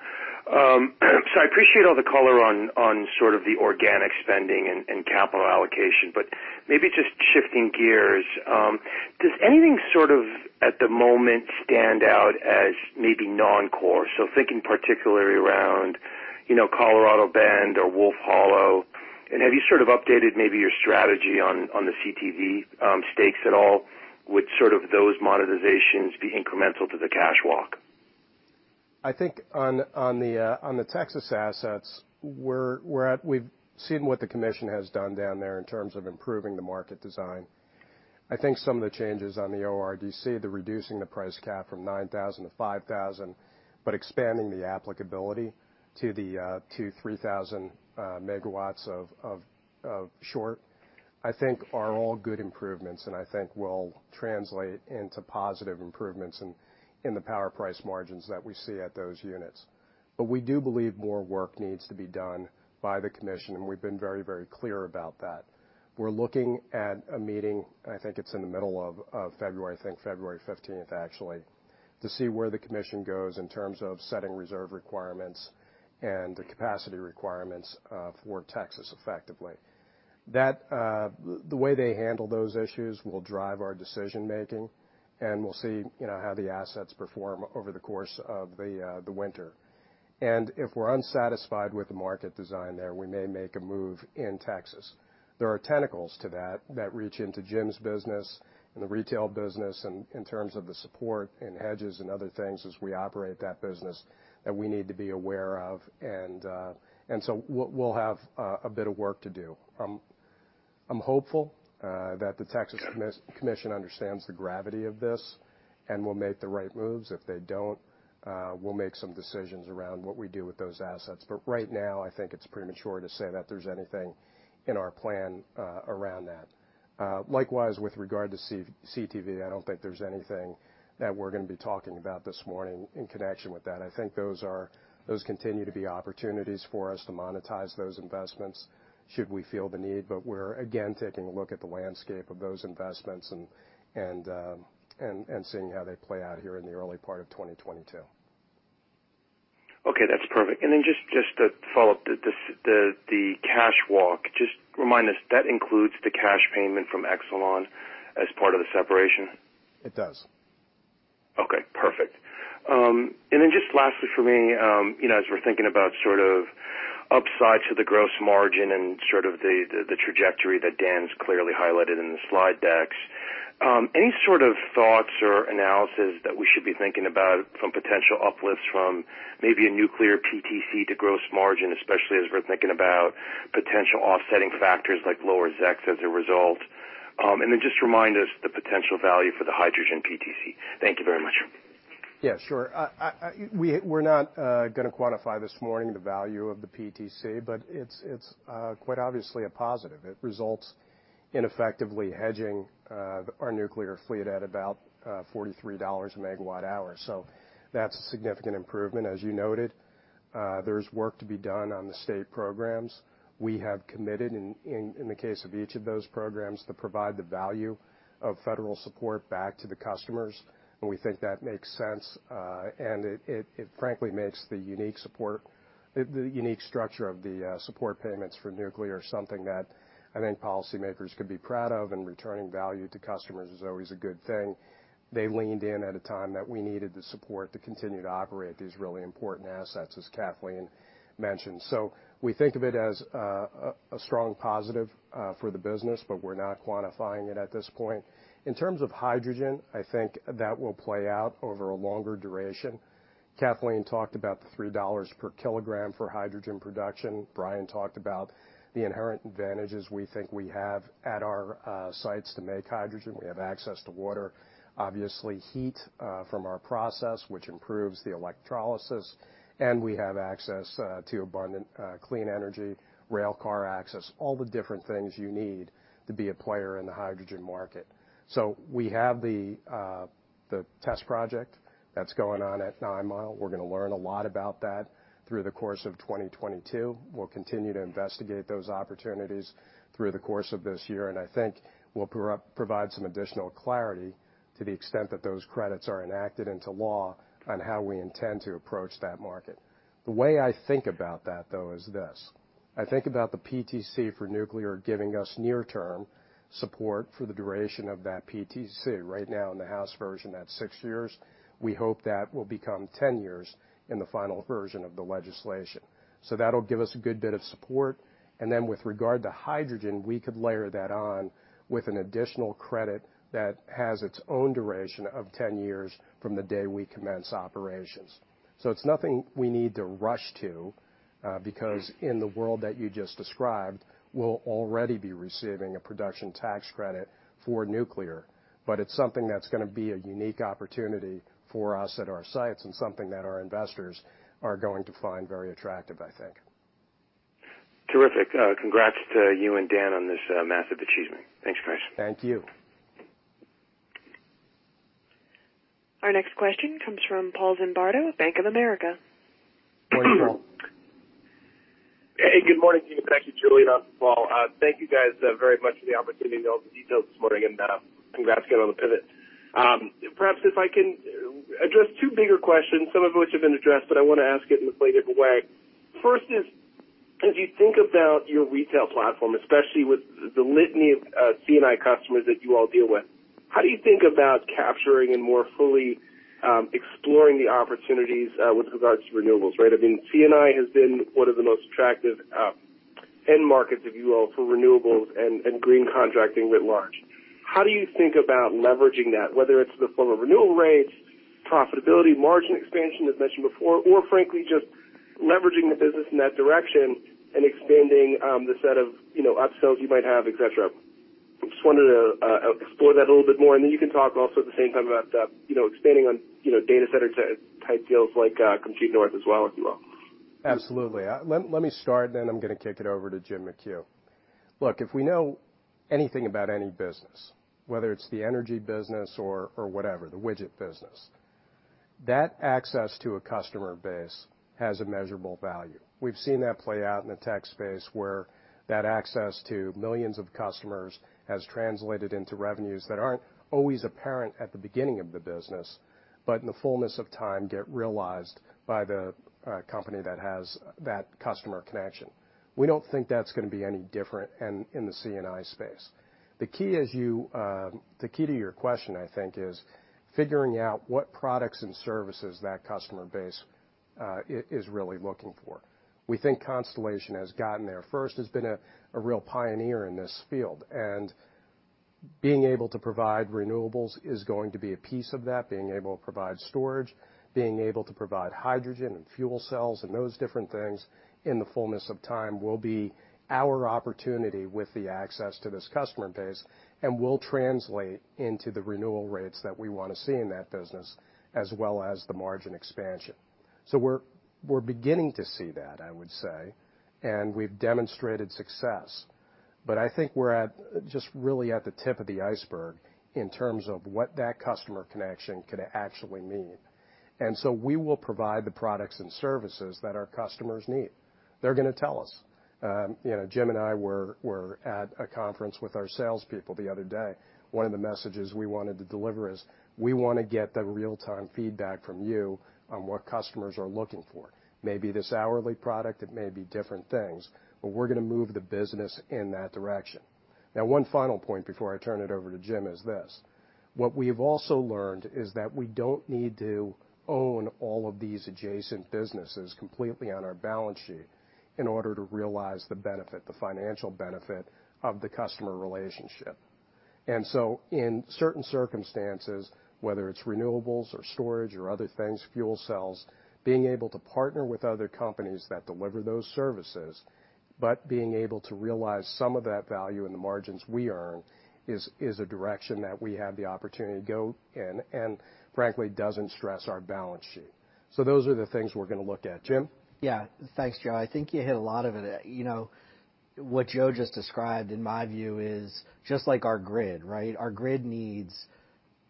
I appreciate all the color on sort of the organic spending and capital allocation, but maybe just shifting gears. Does anything sort of at the moment stand out as maybe non-core? Thinking particularly around, you know, Colorado Bend or Wolf Hollow, and have you sort of updated maybe your strategy on the CTV stakes at all? Would sort of those monetizations be incremental to the cash walk? I think on the Texas assets, we've seen what the commission has done down there in terms of improving the market design. I think some of the changes on the ORDC, reducing the price cap from 9,000 to 5,000, but expanding the applicability to the 2,000 MW-3,000 MW of shortage, I think are all good improvements, and I think will translate into positive improvements in the power price margins that we see at those units. We do believe more work needs to be done by the commission, and we've been very clear about that. We're looking at a meeting, I think it's in the middle of February, I think February fifteenth actually, to see where the commission goes in terms of setting reserve requirements and the capacity requirements for Texas effectively. That, the way they handle those issues will drive our decision-making, and we'll see, you know, how the assets perform over the course of the winter. If we're unsatisfied with the market design there, we may make a move in Texas. There are tentacles to that that reach into Jim's business and the retail business in terms of the support and hedges and other things as we operate that business that we need to be aware of. So we'll have a bit of work to do. I'm hopeful that the Texas Commission understands the gravity of this and will make the right moves. If they don't, we'll make some decisions around what we do with those assets. Right now, I think it's premature to say that there's anything in our plan around that. Likewise, with regard to CTV, I don't think there's anything that we're gonna be talking about this morning in connection with that. I think those continue to be opportunities for us to monetize those investments should we feel the need. We're again taking a look at the landscape of those investments and seeing how they play out here in the early part of 2022. Okay, that's perfect. Just to follow up, the cash walk, just remind us, that includes the cash payment from Exelon as part of the separation? It does. Okay, perfect. Just lastly for me, you know, as we're thinking about sort of upside to the gross margin and sort of the trajectory that Dan's clearly highlighted in the slide decks. Any sort of thoughts or analysis that we should be thinking about from potential uplifts from maybe a nuclear PTC to gross margin, especially as we're thinking about potential offsetting factors like lower ZECs as a result Just remind us the potential value for the hydrogen PTC. Thank you very much. Yeah, sure. We're not gonna quantify this morning the value of the PTC, but it's quite obviously a positive. It results in effectively hedging our nuclear fleet at about $43/MWh. That's a significant improvement. As you noted, there's work to be done on the state programs. We have committed in the case of each of those programs to provide the value of federal support back to the customers, and we think that makes sense. It frankly makes the unique support, the unique structure of the support payments for nuclear something that I think policymakers could be proud of, and returning value to customers is always a good thing. They leaned in at a time that we needed the support to continue to operate these really important assets, as Kathleen mentioned. We think of it as a strong positive for the business, but we're not quantifying it at this point. In terms of hydrogen, I think that will play out over a longer duration. Kathleen talked about the $3 per kilogram for hydrogen production. Bryan talked about the inherent advantages we think we have at our sites to make hydrogen. We have access to water, obviously heat from our process, which improves the electrolysis, and we have access to abundant clean energy, railcar access, all the different things you need to be a player in the hydrogen market. We have the test project that's going on at Nine Mile. We're gonna learn a lot about that through the course of 2022. We'll continue to investigate those opportunities through the course of this year, and I think we'll provide some additional clarity to the extent that those credits are enacted into law on how we intend to approach that market. The way I think about that, though, is this. I think about the PTC for nuclear giving us near-term support for the duration of that PTC. Right now in the House version, that's 6 years. We hope that will become 10 years in the final version of the legislation. That'll give us a good bit of support. With regard to hydrogen, we could layer that on with an additional credit that has its own duration of 10 years from the day we commence operations. It's nothing we need to rush to, because in the world that you just described, we'll already be receiving a production tax credit for nuclear. It's something that's gonna be a unique opportunity for us at our sites and something that our investors are going to find very attractive, I think. Terrific. Congrats to you and Dan on this, massive achievement. Thanks, guys. Thank you. Our next question comes from Paul Zimbardo, Bank of America. Morning, Paul. Hey, good morning to you. Thank you, Julianna. Paul, thank you guys very much for the opportunity to go over the details this morning and, congrats again on the pivot. Perhaps if I can address two bigger questions, some of which have been addressed, but I wanna ask it in a slightly different way. First is, as you think about your retail platform, especially with the litany of C&I customers that you all deal with, how do you think about capturing and more fully exploring the opportunities with regards to renewables, right? I mean, C&I has been one of the most attractive end markets of you all for renewables and green contracting writ large. How do you think about leveraging that, whether it's in the form of renewal rates, profitability, margin expansion, as mentioned before, or frankly, just leveraging the business in that direction and expanding, the set of, you know, upsells you might have, et cetera? I just wanted to explore that a little bit more, and then you can talk also at the same time about, you know, expanding on, you know, data center type deals like, Compute North as well, if you will. Absolutely. Let me start, then I'm gonna kick it over to Jim McHugh. Look, if we know anything about any business, whether it's the energy business or whatever, the widget business, that access to a customer base has a measurable value. We've seen that play out in the tech space where that access to millions of customers has translated into revenues that aren't always apparent at the beginning of the business, but in the fullness of time, get realized by the company that has that customer connection. We don't think that's gonna be any different in the C&I space. The key to your question, I think, is figuring out what products and services that customer base is really looking for. We think Constellation has gotten there first. It's been a real pioneer in this field. Being able to provide renewables is going to be a piece of that. Being able to provide storage, being able to provide hydrogen and fuel cells and those different things in the fullness of time will be our opportunity with the access to this customer base and will translate into the renewal rates that we wanna see in that business, as well as the margin expansion. We're beginning to see that, I would say, and we've demonstrated success. But I think we're at, just really at the tip of the iceberg in terms of what that customer connection could actually mean. We will provide the products and services that our customers need. They're gonna tell us. You know, Jim and I were at a conference with our salespeople the other day. One of the messages we wanted to deliver is, we wanna get the real-time feedback from you on what customers are looking for. Maybe this hourly product, it may be different things, but we're gonna move the business in that direction. Now, one final point before I turn it over to Jim is this. What we've also learned is that we don't need to own all of these adjacent businesses completely on our balance sheet in order to realize the benefit, the financial benefit of the customer relationship. In certain circumstances, whether it's renewables or storage or other things, fuel cells, being able to partner with other companies that deliver those services. But being able to realize some of that value in the margins we earn is a direction that we have the opportunity to go in and frankly, doesn't stress our balance sheet. Those are the things we're gonna look at. Jim? Yeah. Thanks, Joe. I think you hit a lot of it. You know, what Joe just described, in my view, is just like our grid, right? Our grid needs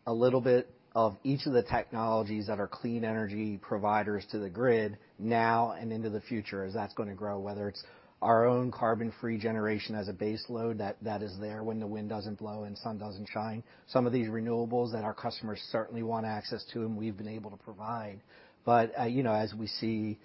a little bit of each of the technologies that are clean energy providers to the grid now and into the future as that's gonna grow, whether it's our own carbon-free generation as a base load that is there when the wind doesn't blow and sun doesn't shine. Some of these renewables that our customers certainly want access to, and we've been able to provide. You know, as we see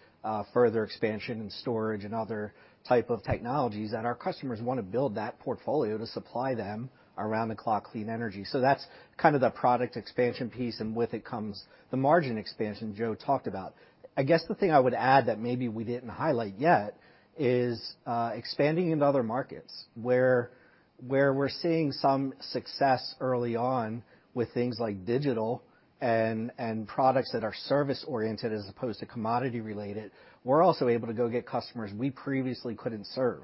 further expansion in storage and other type of technologies that our customers wanna build that portfolio to supply them around-the-clock clean energy. So that's kind of the product expansion piece, and with it comes the margin expansion Joe talked about. I guess the thing I would add that maybe we didn't highlight yet is expanding into other markets where we're seeing some success early on with things like digital and products that are service-oriented as opposed to commodity-related. We're also able to go get customers we previously couldn't serve.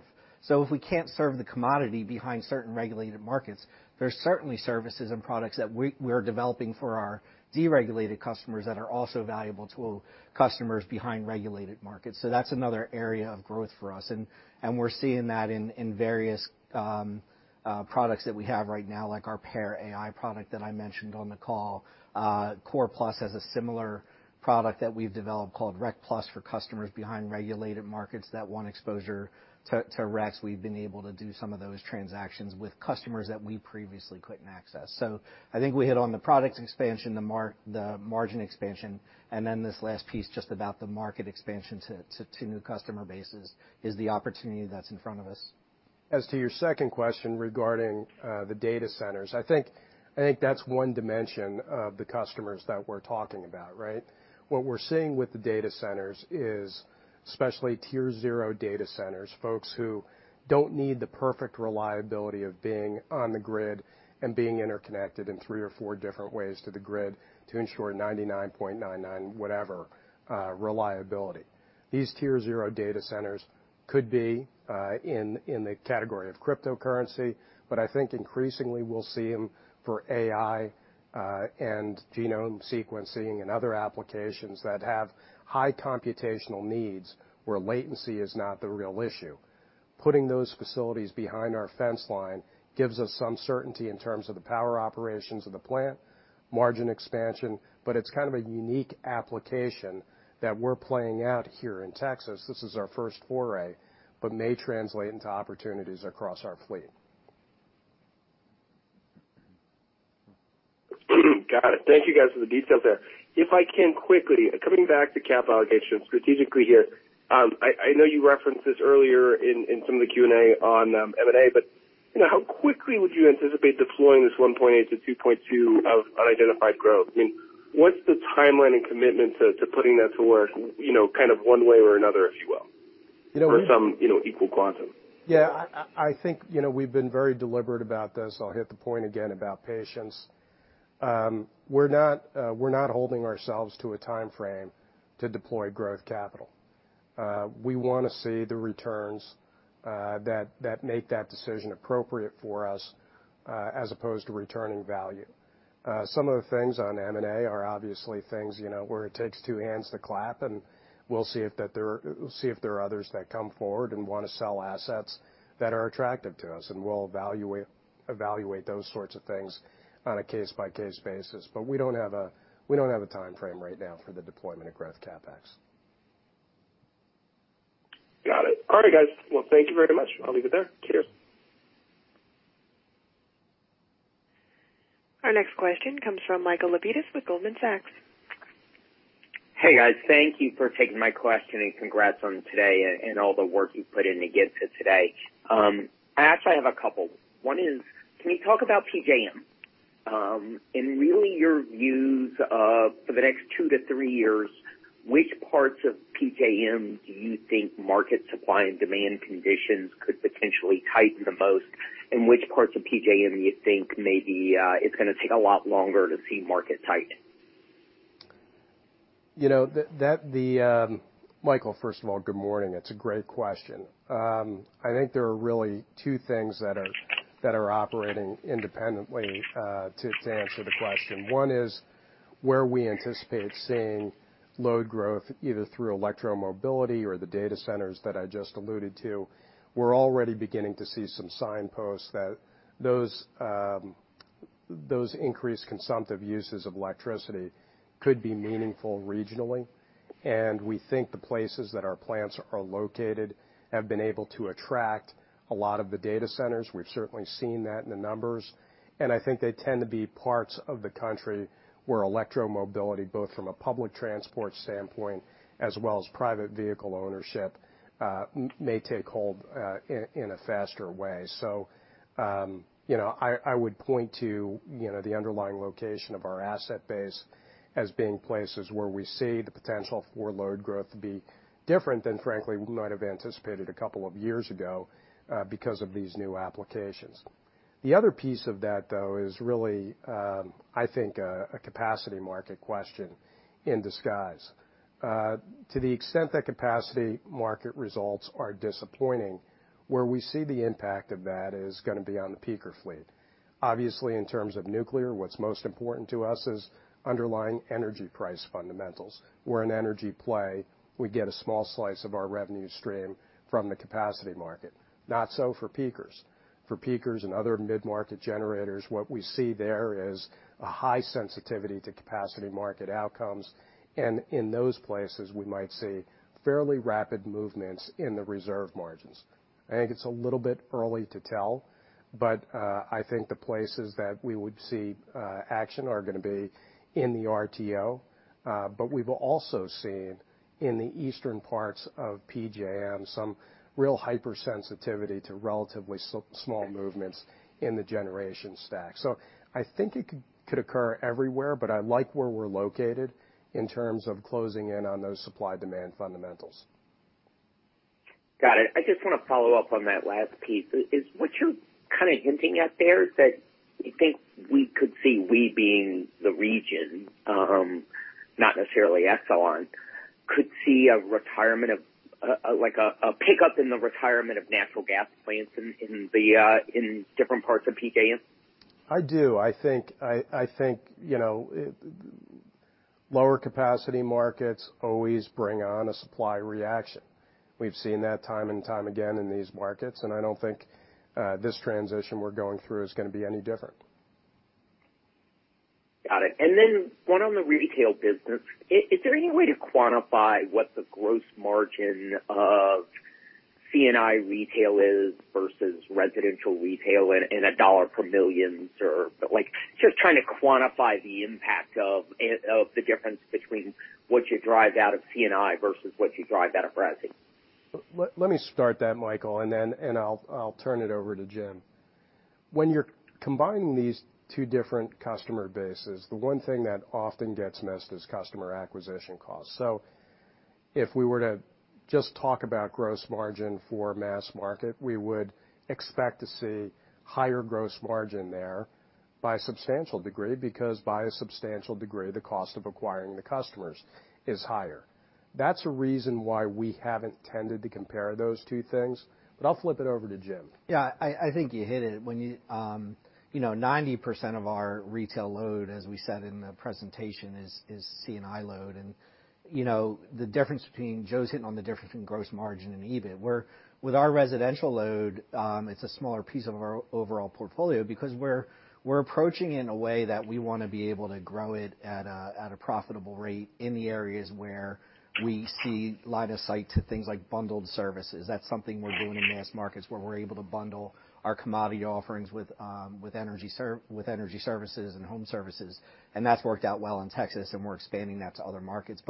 If we can't serve the commodity behind certain regulated markets, there's certainly services and products that we're developing for our deregulated customers that are also valuable to customers behind regulated markets. That's another area of growth for us, and we're seeing that in various products that we have right now, like our Pear.ai product that I mentioned on the call. Core+ has a similar product that we've developed called REC+ for customers behind regulated markets that want exposure to RECs. We've been able to do some of those transactions with customers that we previously couldn't access. I think we hit on the products expansion, the margin expansion, and then this last piece just about the market expansion to new customer bases is the opportunity that's in front of us. As to your second question regarding the data centers, I think that's one dimension of the customers that we're talking about, right? What we're seeing with the data centers is, especially tier zero data centers, folks who don't need the perfect reliability of being on the grid and being interconnected in three or four different ways to the grid to ensure 99.99 whatever reliability. These tier zero data centers could be in the category of cryptocurrency, but I think increasingly we'll see them for AI and genome sequencing and other applications that have high computational needs where latency is not the real issue. Putting those facilities behind our fence line gives us some certainty in terms of the power operations of the plant, margin expansion, but it's kind of a unique application that we're playing out here in Texas. This is our first foray, but may translate into opportunities across our fleet. Got it. Thank you, guys, for the details there. If I can quickly, coming back to CapEx allocations strategically here, I know you referenced this earlier in some of the Q&A on M&A, but you know, how quickly would you anticipate deploying this $1.8-$2.2 of unidentified growth? I mean, what's the timeline and commitment to putting that to work, you know, kind of one way or another, if you will? You know. Some, you know, equal quantum. Yeah. I think, you know, we've been very deliberate about this. I'll hit the point again about patience. We're not holding ourselves to a timeframe to deploy growth capital. We wanna see the returns that make that decision appropriate for us as opposed to returning value. Some of the things on M&A are obviously things, you know, where it takes two hands to clap, and we'll see if there are others that come forward and wanna sell assets that are attractive to us, and we'll evaluate those sorts of things on a case-by-case basis. But we don't have a timeframe right now for the deployment of growth CapEx. Got it. All right, guys. Well, thank you very much. I'll leave it there. Cheers. Our next question comes from Michael Lapides with Goldman Sachs. Hey, guys. Thank you for taking my question, and congrats on today and all the work you've put in to get to today. I actually have a couple. One is, can you talk about PJM and really your views of for the next two to three years, which parts of PJM do you think market supply and demand conditions could potentially tighten the most, and which parts of PJM do you think maybe it's gonna take a lot longer to see market tighten? You know, Michael, first of all, good morning. It's a great question. I think there are really two things that are operating independently, to answer the question. One is where we anticipate seeing load growth, either through electromobility or the data centers that I just alluded to. We're already beginning to see some signposts that those increased consumptive uses of electricity could be meaningful regionally, and we think the places that our plants are located have been able to attract a lot of the data centers. We've certainly seen that in the numbers. I think they tend to be parts of the country where electromobility, both from a public transport standpoint as well as private vehicle ownership, may take hold, in a faster way. You know, I would point to, you know, the underlying location of our asset base as being places where we see the potential for load growth to be different than frankly we might have anticipated a couple of years ago, because of these new applications. The other piece of that, though, is really, I think, a capacity market question in disguise. To the extent that capacity market results are disappointing, where we see the impact of that is gonna be on the peaker fleet. Obviously, in terms of nuclear, what's most important to us is underlying energy price fundamentals. We're an energy play. We get a small slice of our revenue stream from the capacity market. Not so for peakers. For peakers and other mid-market generators, what we see there is a high sensitivity to capacity market outcomes, and in those places, we might see fairly rapid movements in the reserve margins. I think it's a little bit early to tell, but I think the places that we would see action are gonna be in the RTO. We've also seen in the eastern parts of PJM some real hypersensitivity to relatively small movements in the generation stack. I think it could occur everywhere, but I like where we're located in terms of closing in on those supply-demand fundamentals. Got it. I just wanna follow up on that last piece. Is what you're kind of hinting at there is that you think we could see, we being the region, not necessarily Exelon, could see a retirement of, like a pickup in the retirement of natural gas plants in different parts of PJM? I do. I think, you know, lower capacity markets always bring on a supply reaction. We've seen that time and time again in these markets, and I don't think this transition we're going through is gonna be any different. Got it. One on the retail business. Is there any way to quantify what the gross margin of C&I retail is versus residential retail in a dollar per millions or like just trying to quantify the impact of the difference between what you drive out of C&I versus what you drive out of resi? Let me start that, Michael, and then I'll turn it over to Jim. When you're combining these two different customer bases, the one thing that often gets missed is customer acquisition costs. If we were to just talk about gross margin for mass market, we would expect to see higher gross margin there by a substantial degree because the cost of acquiring the customers is higher. That's a reason why we haven't tended to compare those two things, but I'll flip it over to Jim. Yeah. I think you hit it. When you know, 90% of our retail load, as we said in the presentation, is C&I load. You know, Joe's hitting on the difference in gross margin and EBIT. Where with our residential load, it's a smaller piece of our overall portfolio because we're approaching in a way that we wanna be able to grow it at a profitable rate in the areas where we see line of sight to things like bundled services. That's something we're doing in mass markets where we're able to bundle our commodity offerings with energy services and home services, and that's worked out well in Texas, and we're expanding that to other markets.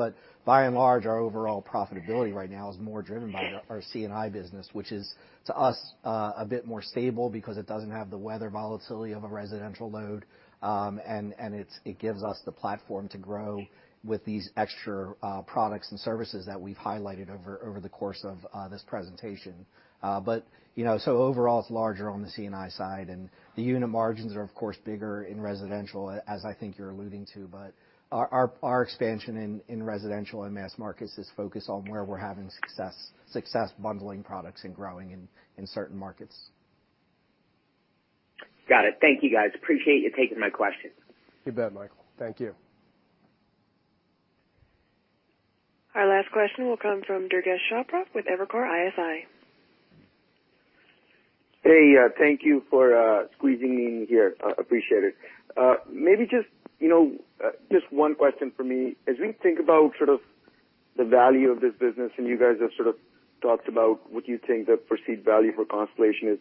By and large, our overall profitability right now is more driven by our C&I business, which is, to us, a bit more stable because it doesn't have the weather volatility of a residential load. It gives us the platform to grow with these extra products and services that we've highlighted over the course of this presentation. You know, overall, it's larger on the C&I side, and the unit margins are, of course, bigger in residential, as I think you're alluding to. Our expansion in residential and mass markets is focused on where we're having success bundling products and growing in certain markets. Got it. Thank you, guys. Appreciate you taking my questions. You bet, Michael. Thank you. Our last question will come from Durgesh Chopra with Evercore ISI. Hey, thank you for squeezing me in here. Appreciate it. Maybe just, you know, just one question from me. As we think about sort of the value of this business, and you guys have sort of talked about what you think the perceived value for Constellation is,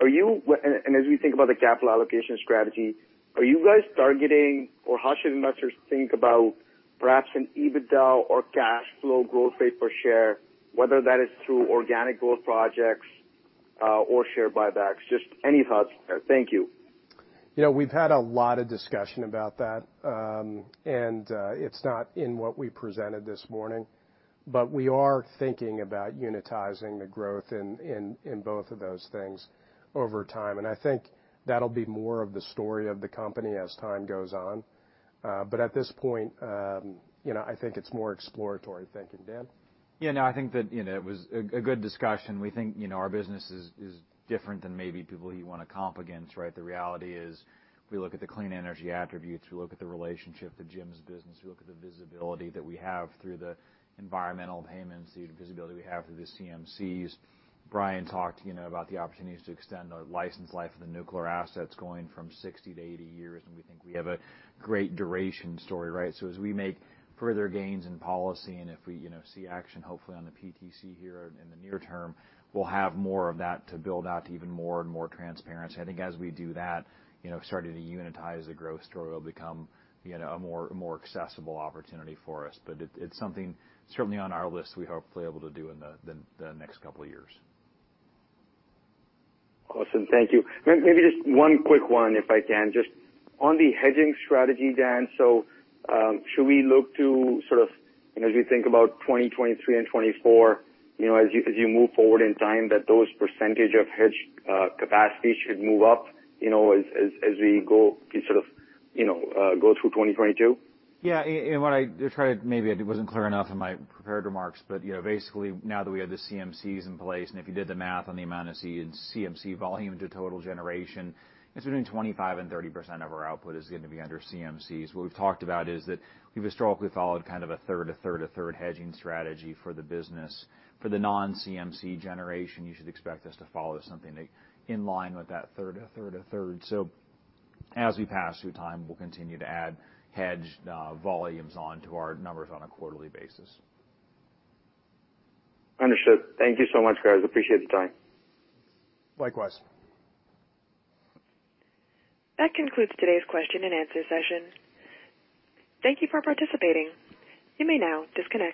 and as we think about the capital allocation strategy, are you guys targeting or how should investors think about perhaps an EBITDA or cash flow growth rate per share, whether that is through organic growth projects, or share buybacks? Just any thoughts there. Thank you. You know, we've had a lot of discussion about that. It's not in what we presented this morning, but we are thinking about unitizing the growth in both of those things over time. I think that'll be more of the story of the company as time goes on. At this point, you know, I think it's more exploratory thinking. Dan? Yeah, no, I think that, you know, it was a good discussion. We think, you know, our business is different than maybe people who you wanna comp against, right? The reality is, if we look at the clean energy attributes, we look at the relationship to Jim's business, we look at the visibility that we have through the environmental payments, the visibility we have through the CMCs. Bryan talked, you know, about the opportunities to extend the license life of the nuclear assets going from 60 to 80 years, and we think we have a great duration story, right? As we make further gains in policy, and if we, you know, see action, hopefully on the PTC here in the near term, we'll have more of that to build out to even more and more transparency. I think as we do that, you know, starting to unitize the growth story will become, you know, a more accessible opportunity for us. It, it's something certainly on our list we're hopefully able to do in the next couple of years. Awesome. Thank you. Maybe just one quick one if I can. Just on the hedging strategy, Dan, so, should we look to sort of as we think about 2023 and 2024, you know, as you move forward in time, that those percentage of hedged capacity should move up, you know, as we go sort of, you know, go through 2022? Yeah. And what I tried, maybe it wasn't clear enough in my prepared remarks, but, you know, basically, now that we have the CMCs in place, and if you did the math on the amount of CMC volume to total generation, it's between 25%-30% of our output is going to be under CMCs. What we've talked about is that we've historically followed kind of a third, a third, a third hedging strategy for the business. For the non-CMC generation, you should expect us to follow something, like, in line with that third, a third, a third. As we pass through time, we'll continue to add hedged volumes onto our numbers on a quarterly basis. Understood. Thank you so much, guys. I appreciate the time. Likewise. That concludes today's question and answer session. Thank you for participating. You may now disconnect.